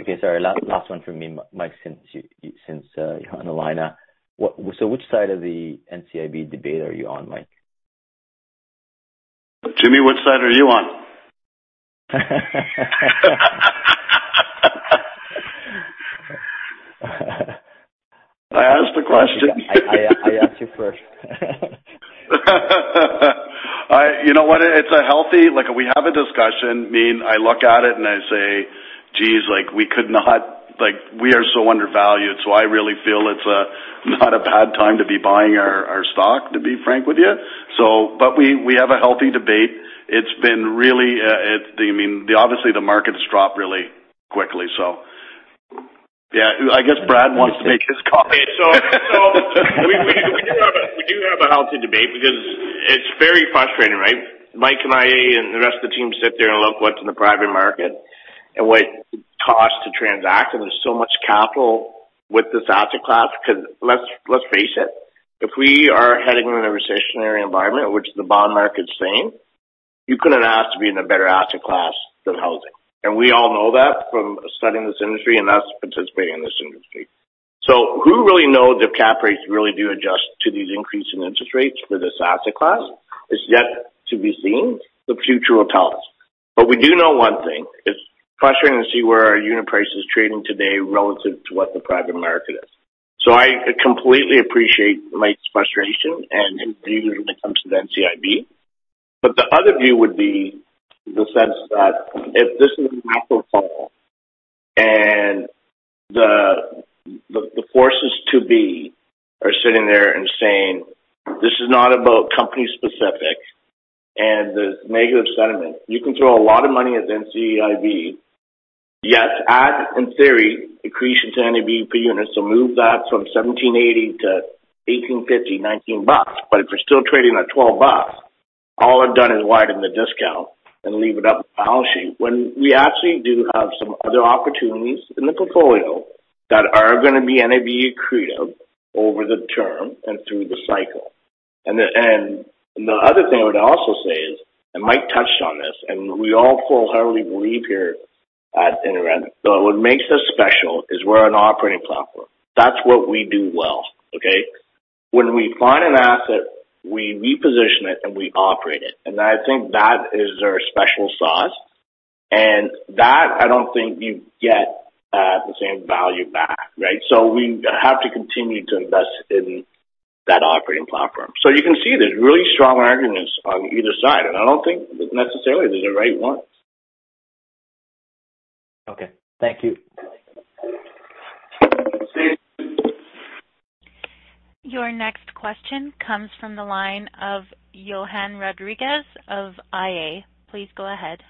Okay, sorry. Last one from me, Mike, since you're on the line now. Which side of the NCIB debate are you on, Mike? Jimmy, what side are you on? I asked the question. I asked you first. You know what? It's healthy. Like, we have a discussion. I mean, I look at it and I say, "Geez, like, we are so undervalued." I really feel it's not a bad time to be buying our stock, to be frank with you. But we have a healthy debate. It's been really. I mean, obviously the market's dropped really quickly. Yeah, I guess Brad wants to make his comment. We do have a healthy debate because it's very frustrating, right? Mike and I and the rest of the team sit there and look what's in the private market and what it costs to transact, and there's so much capital with this asset class 'cause let's face it, if we are heading in a recessionary environment, which the bond market's saying, you couldn't ask to be in a better asset class than housing. We all know that from studying this industry and us participating in this industry. Who really know if cap rates really do adjust to these increasing interest rates for this asset class? It's yet to be seen. The future will tell us. We do know one thing. It's frustrating to see where our unit price is trading today relative to what the private market is. I completely appreciate Mike's frustration and views when it comes to the NCIB. The other view would be the sense that if this is a macro call and the powers that be are sitting there and saying, "This is not about company-specific" and the negative sentiment. You can throw a lot of money at NCIB. Yes. And in theory, decrease in NAV per unit. So move that from 17.80 to 18.50 bucks, 19 bucks. But if you're still trading at 12 bucks, all I've done is widen the discount and tie up the balance sheet when we actually do have some other opportunities in the portfolio that are gonna be NAV accretive over the term and through the cycle. The other thing I would also say is, Mike touched on this, and we all wholeheartedly believe here at InterRent, but what makes us special is we're an operating platform. That's what we do well, okay? When we find an asset, we reposition it, and we operate it. I think that is our special sauce, and that I don't think you get, the same value back, right? We have to continue to invest in that operating platform. You can see there's really strong arguments on either side, and I don't think necessarily there's a right one. Okay. Thank you. Your next question comes from the line of Johann Rodrigues of IA. Please go ahead.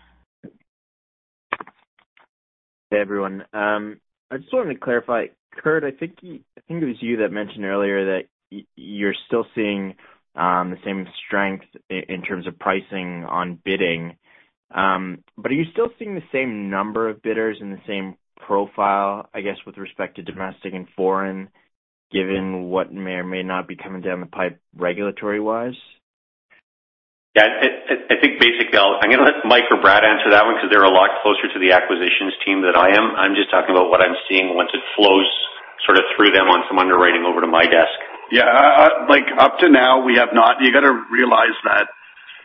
Hey, everyone. I just wanted to clarify. Curt, I think it was you that mentioned earlier that you're still seeing the same strength in terms of pricing on bidding. Are you still seeing the same number of bidders in the same profile, I guess, with respect to domestic and foreign, given what may or may not be coming down the pipe regulatory-wise? Yeah. I think basically I'm gonna let Mike or Brad answer that one because they're a lot closer to the acquisitions team than I am. I'm just talking about what I'm seeing once it flows sort of through them on some underwriting over to my desk. Yeah. Like, up to now, we have not. You gotta realize that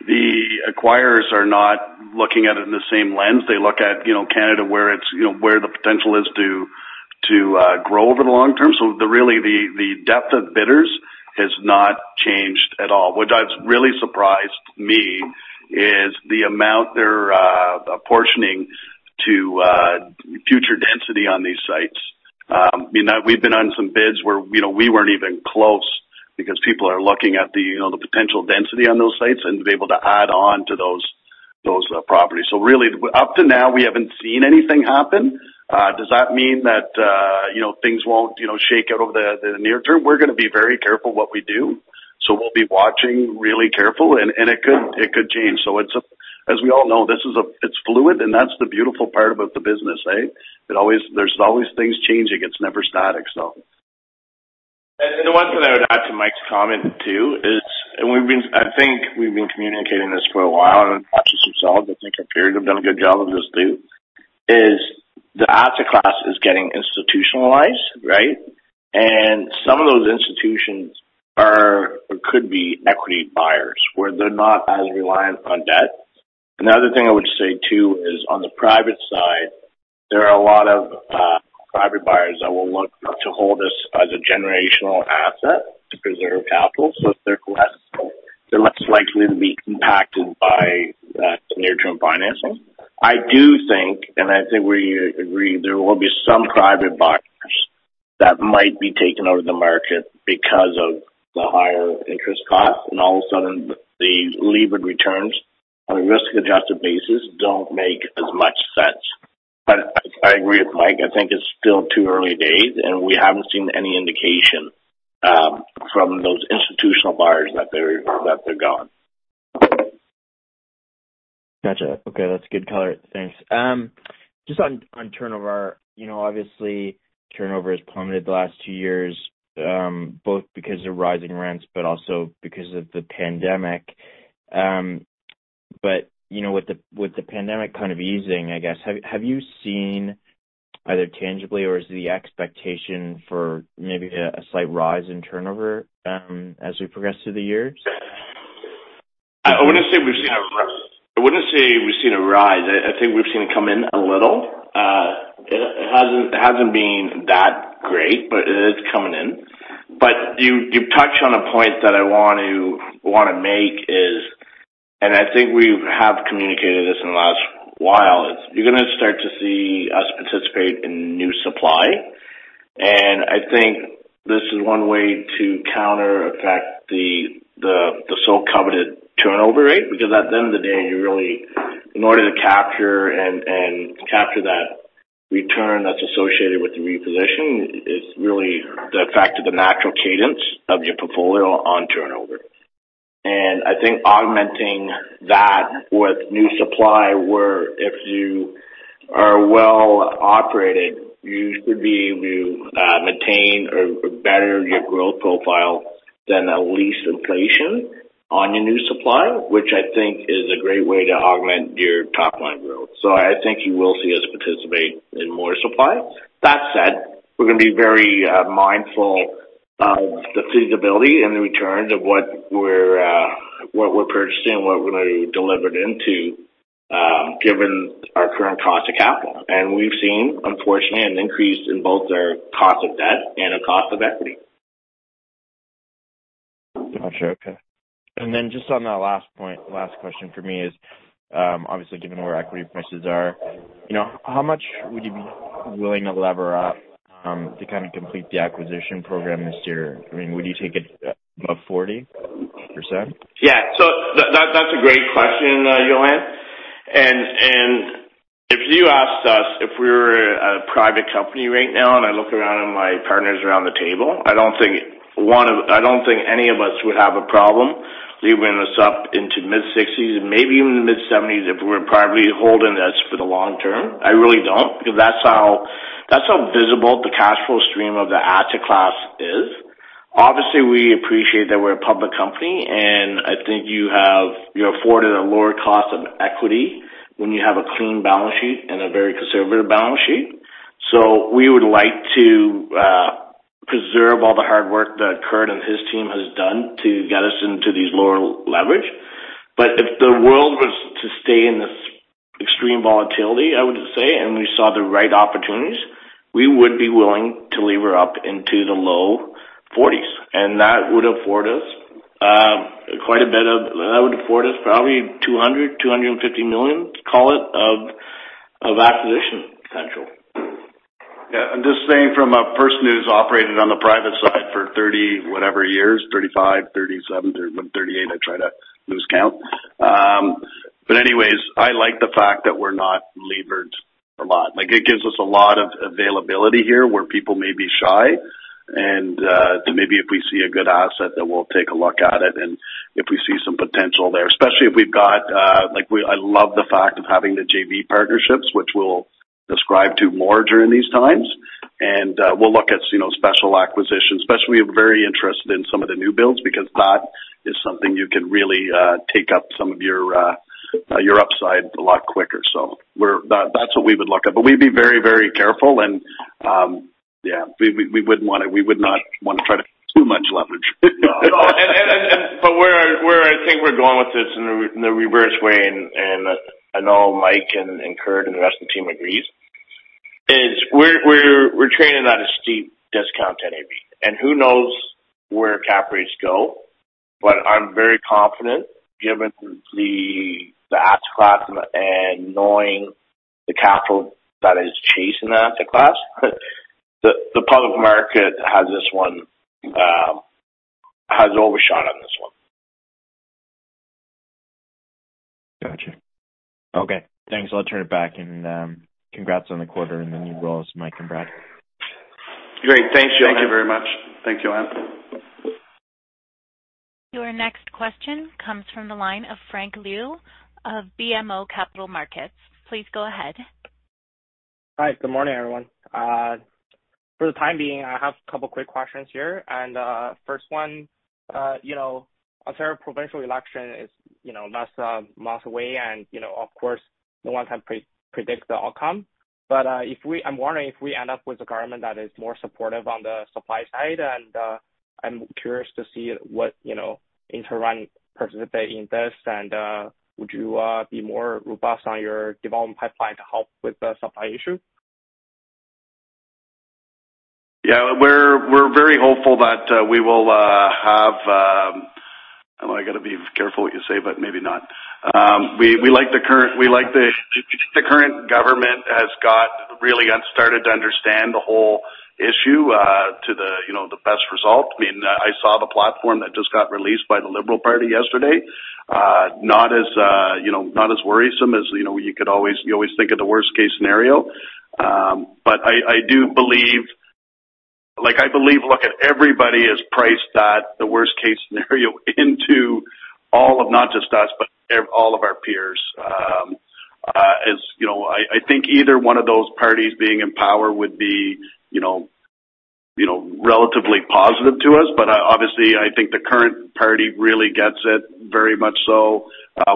the acquirers are not looking at it in the same lens. They look at, you know, Canada where it's, you know, where the potential is to grow over the long term. So really the depth of bidders has not changed at all. What has really surprised me is the amount they're apportioning to future density on these sites. I mean, we've been on some bids where, you know, we weren't even close because people are looking at the, you know, the potential density on those sites and to be able to add on to those properties. So really up to now, we haven't seen anything happen. Does that mean that, you know, things won't you know, shake out over the near term? We're gonna be very careful what we do, so we'll be watching really careful, and it could change. As we all know, it's fluid, and that's the beautiful part about the business, right? There's always things changing. It's never static, so. The one thing I would add to Mike's comment too is, I think we've been communicating this for a while, and I'm conscious of self. I think our peers have done a good job of this too, is the asset class is getting institutionalized, right? Some of those institutions are or could be equity buyers, where they're not as reliant on debt. Another thing I would say too is on the private side, there are a lot of private buyers that will look to hold us as a generational asset to preserve capital. If they're less, they're less likely to be impacted by some near-term financing. I do think, and I think we agree, there will be some private buyers that might be taken out of the market because of the higher interest costs, and all of a sudden the levered returns on a risk-adjusted basis don't make as much sense. I agree with Mike. I think it's still too early days, and we haven't seen any indication from those institutional buyers that they're gone. Gotcha. Okay. That's a good color. Thanks. Just on turnover. You know, obviously, turnover has plummeted the last two years, both because of rising rents but also because of the pandemic. You know, with the pandemic kind of easing, I guess, have you seen either tangibly or is the expectation for maybe a slight rise in turnover, as we progress through the years? I wouldn't say we've seen a rise. I think we've seen it come in a little. It hasn't been that great, but it is coming in. You've touched on a point that I want to make is. I think we have communicated this in the last while. It's you're gonna start to see us participate in new supply. I think this is one way to countereffect the so-coveted turnover rate. Because at the end of the day, you really in order to capture and capture that return that's associated with the reposition is really the effect of the natural cadence of your portfolio on turnover. I think augmenting that with new supply where if you are well operated, you should be able to maintain or better your growth profile than a lease inflation on your new supply, which I think is a great way to augment your top-line growth. I think you will see us participate in more supply. That said, we're gonna be very mindful of the feasibility and the returns of what we're purchasing and what we're gonna be delivered into, given our current cost of capital. We've seen, unfortunately, an increase in both our cost of debt and our cost of equity. Gotcha. Okay. Then just on that last point, last question for me is, obviously given where equity prices are, you know, how much would you be willing to lever up, to kind of complete the acquisition program this year. I mean, would you take it above 40%? Yeah. That's a great question, Johann. If you asked us if we were a private company right now, and I look around at my partners around the table, I don't think any of us would have a problem levering this up into mid-60s% and maybe even the mid-70s% if we were privately holding this for the long term. I really don't, because that's how visible the cash flow stream of the asset class is. Obviously, we appreciate that we're a public company, and I think you're afforded a lower cost of equity when you have a clean balance sheet and a very conservative balance sheet. We would like to preserve all the hard work that Curt and his team has done to get us into these lower leverage. If the world was to stay in this extreme volatility, I would say, and we saw the right opportunities, we would be willing to lever up into the low 40s, and that would afford us quite a bit. That would afford us probably 200 million-250 million, call it, of acquisition potential. Yeah. I'm just saying from a person who's operated on the private side for 30 whatever years, 35, 37, 38. I try to lose count. Anyways, I like the fact that we're not levered a lot. Like, it gives us a lot of availability here where people may be shy, so maybe if we see a good asset, then we'll take a look at it and if we see some potential there. Especially if we've got, like, I love the fact of having the JV partnerships, which we'll leverage more during these times. We'll look at, you know, special acquisitions, especially we're very interested in some of the new builds because that is something you can really take up some of your upside a lot quicker. That's what we would look at. We'd be very, very careful and we would not wanna try to take too much leverage. No. But where I think we're going with this in the reverse way, I know Mike and Curt and the rest of the team agrees, is we're trading at a steep discount to NAV. Who knows where cap rates go, but I'm very confident given the asset class and knowing the capital that is chasing the asset class, the public market has this one, has overshot on this one. Gotcha. Okay. Thanks. I'll turn it back and, congrats on the quarter and the new roles, Mike and Brad. Great. Thanks, Johann. Thank you very much. Thanks, Johann. Your next question comes from the line of Frank Liu of BMO Capital Markets. Please go ahead. Hi, good morning, everyone. For the time being, I have a couple quick questions here. First one, you know, Ontario provincial election is, you know, months away and, you know, of course, no one can predict the outcome, but if we end up with a government that is more supportive on the supply side, and I'm curious to see what, you know, InterRent participate in this, and would you be more robust on your development pipeline to help with the supply issue? Yeah. We're very hopeful that we will have. Oh, I gotta be careful what I say, but maybe not. We like the current government. The current government has got really just started to understand the whole issue to the best result. I mean, I saw the platform that just got released by the Liberal Party yesterday, not as worrisome as you always think of the worst case scenario. But I do believe like I believe, look, everybody has priced in the worst case scenario into all of not just us, but all of our peers. As you know, I think either one of those parties being in power would be relatively positive to us. Obviously, I think the current party really gets it very much so.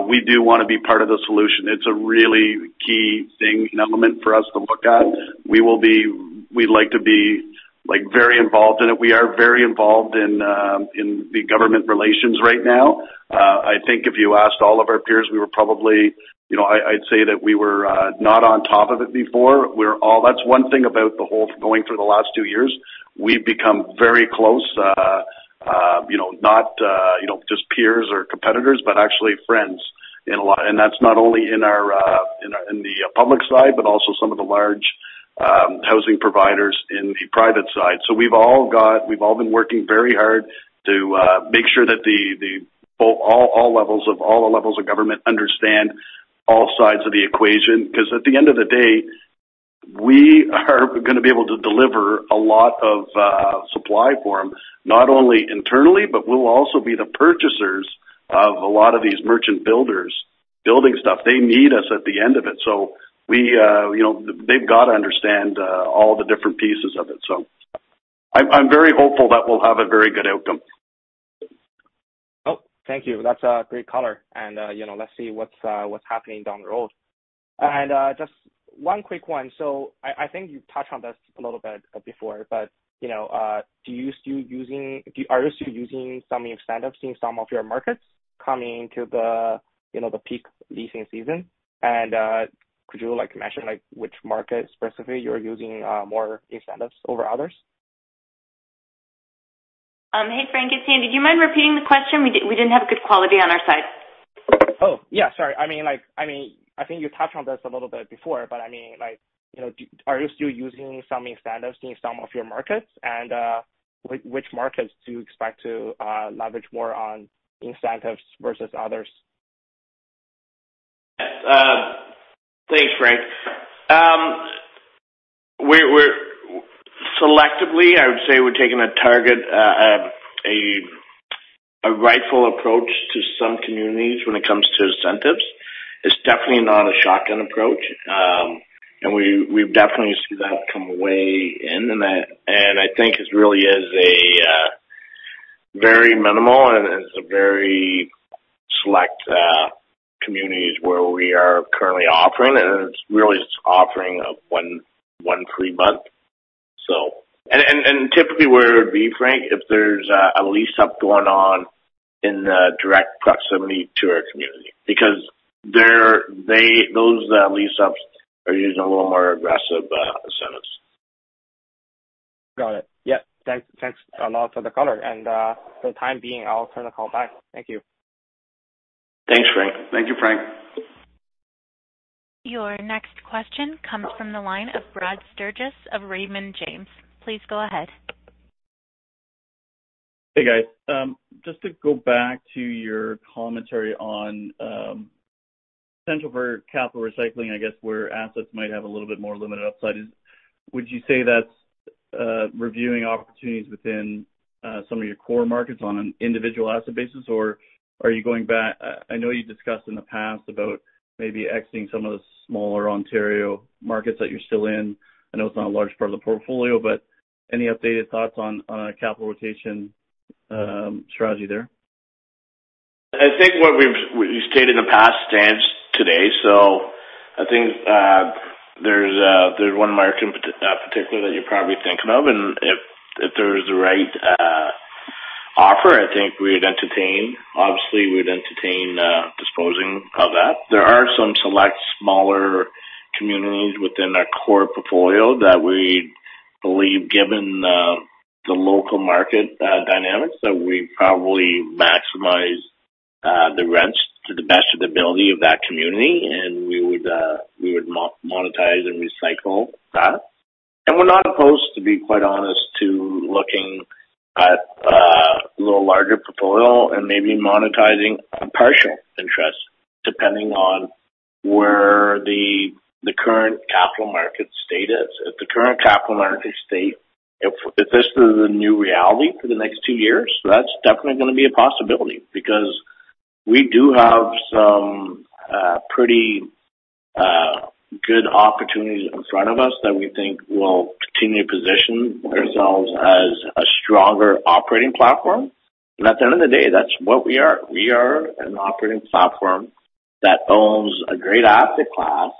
We do wanna be part of the solution. It's a really key thing and element for us to look at. We'd like to be, like, very involved in it. We are very involved in the government relations right now. I think if you asked all of our peers, we were probably, you know, I'd say that we were not on top of it before. That's one thing about the whole going on for the last two years. We've become very close, you know, not, you know, just peers or competitors, but actually friends in a lot. That's not only in our in the public side, but also some of the large housing providers in the private side. We've all been working very hard to make sure that all levels of government understand all sides of the equation. Because at the end of the day, we are gonna be able to deliver a lot of supply for them, not only internally, but we'll also be the purchasers of a lot of these merchant builders building stuff. They need us at the end of it. We, you know, they've got to understand all the different pieces of it. I'm very hopeful that we'll have a very good outcome. Oh, thank you. That's a great color. You know, let's see what's happening down the road. Just one quick one. I think you touched on this a little bit before, but you know, are you still using some incentives in some of your markets coming to the, you know, the peak leasing season? Could you like mention like which market specifically you're using more incentives over others? Hey, Frank. It's Anne. Do you mind repeating the question? We didn't have good quality on our side. Oh, yeah, sorry. I mean, like, I think you touched on this a little bit before, but I mean, like, you know, do you still using some incentives in some of your markets? Which markets do you expect to leverage more on incentives versus others? Yes. Thanks, Frank. We're selectively, I would say, taking a targeted approach to some communities when it comes to incentives. It's definitely not a shotgun approach. We've definitely seen that come into play. I think it really is very minimal, and it's a very select communities where we are currently offering, and it's really just offering a one free month. Typically where it would be, Frank, if there's a lease-up going on in the direct proximity to our community, because those lease-ups are using a little more aggressive incentives. Got it. Yeah. Thanks a lot for the color. For the time being, I'll turn the call back. Thank you. Thanks, Frank. Thank you, Frank. Your next question comes from the line of Brad Sturges of Raymond James. Please go ahead. Hey, guys. Just to go back to your commentary on potential for capital recycling, I guess, where assets might have a little bit more limited upside. Would you say that's reviewing opportunities within some of your core markets on an individual asset basis? Or are you going back? I know you discussed in the past about maybe exiting some of the smaller Ontario markets that you're still in. I know it's not a large part of the portfolio, but any updated thoughts on a capital rotation strategy there? I think what we've stated in the past stands today. I think there's one market in particular that you're probably thinking of. If there's the right offer, I think we'd entertain. Obviously, we'd entertain disposing of that. There are some select smaller communities within our core portfolio that we believe, given the local market dynamics, that we probably maximize the rents to the best of the ability of that community, and we would monetize and recycle that. We're not opposed, to be quite honest, to looking at a little larger portfolio and maybe monetizing a partial interest depending on where the current capital market state is. If the current capital market state, if this is the new reality for the next two years, that's definitely gonna be a possibility because we do have some pretty good opportunities in front of us that we think will continue to position ourselves as a stronger operating platform. At the end of the day, that's what we are. We are an operating platform that owns a great asset class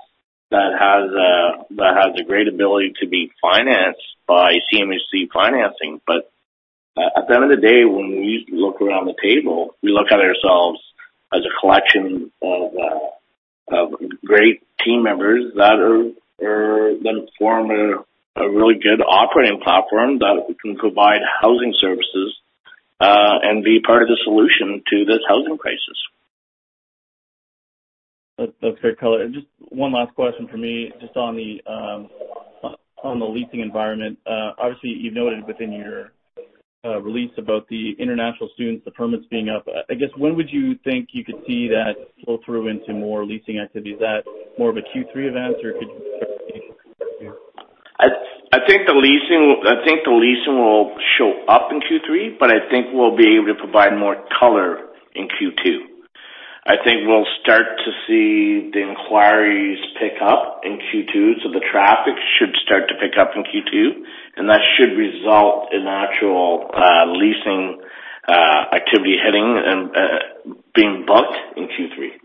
that has a great ability to be financed by CMHC financing. At the end of the day, when we look around the table, we look at ourselves as a collection of great team members that are gonna form a really good operating platform that we can provide housing services and be part of the solution to this housing crisis. That's great color. Just one last question for me. Just on the leasing environment. Obviously, you've noted within your release about the international students, the permits being up. I guess, when would you think you could see that flow through into more leasing activity? Is that more of a Q3 event, or could you start to see it sooner? I think the leasing will show up in Q3, but I think we'll be able to provide more color in Q2. I think we'll start to see the inquiries pick up in Q2, so the traffic should start to pick up in Q2, and that should result in actual leasing activity and being booked in Q3.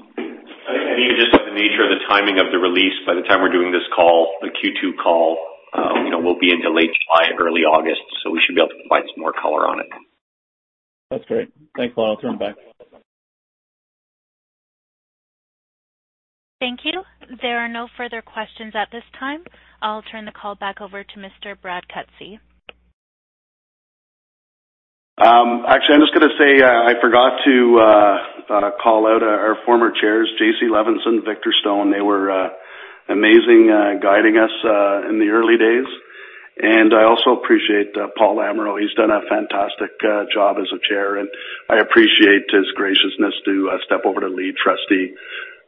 I think maybe just by the nature of the timing of the release, by the time we're doing this call, the Q2 call, you know, we'll be into late July and early August, so we should be able to provide some more color on it. That's great. Thanks a lot. I'll turn it back. Thank you. There are no further questions at this time. I'll turn the call back over to Mr. Brad Cutsey. Actually, I'm just gonna say, I forgot to call out our former chairs, Jacie Levinson, Victor Stone. They were amazing guiding us in the early days. I also appreciate Paul Amirault. He's done a fantastic job as a chair, and I appreciate his graciousness to step over to Lead Trustee.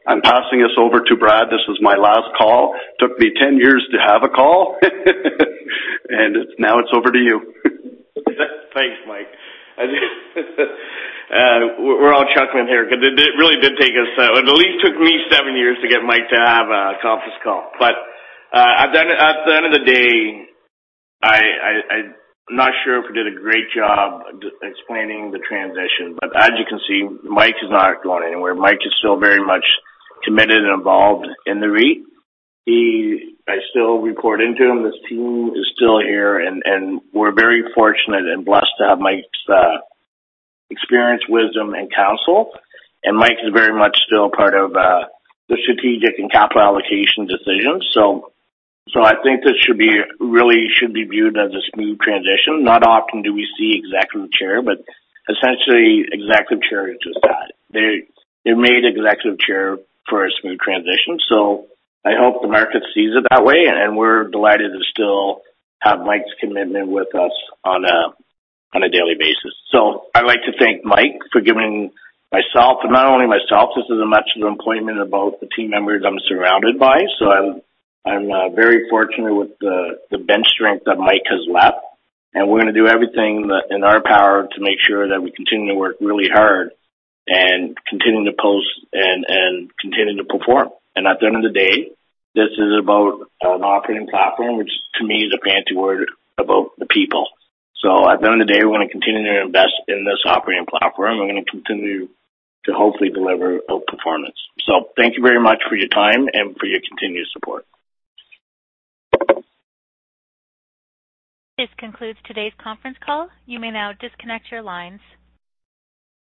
I'm passing this over to Brad. This is my last call. Took me 10 years to have a call. It's now over to you. Thanks, Mike. We're all chuckling here because it at least took me seven years to get Mike to have a conference call. At the end of the day, I'm not sure if we did a great job explaining the transition, but as you can see, Mike is not going anywhere. Mike is still very much committed and involved in the REIT. I still report into him. This team is still here, and we're very fortunate and blessed to have Mike's experience, wisdom, and counsel. Mike is very much still part of the strategic and capital allocation decisions. I think this really should be viewed as a smooth transition. Not often do we see Executive Chair, but essentially Executive Chair is just that. They made Executive Chair for a smooth transition. I hope the market sees it that way, and we're delighted to still have Mike's commitment with us on a daily basis. I'd like to thank Mike for giving myself, and not only myself, this is a testament to both the team members I'm surrounded by. I'm very fortunate with the bench strength that Mike has left, and we're gonna do everything in our power to make sure that we continue to work really hard and continue to post and continue to perform. At the end of the day, this is about an operating platform, which to me is a fancy word about the people. At the end of the day, we're gonna continue to invest in this operating platform. We're gonna continue to hopefully deliver outperformance. Thank you very much for your time and for your continued support. This concludes today's conference call. You may now disconnect your lines.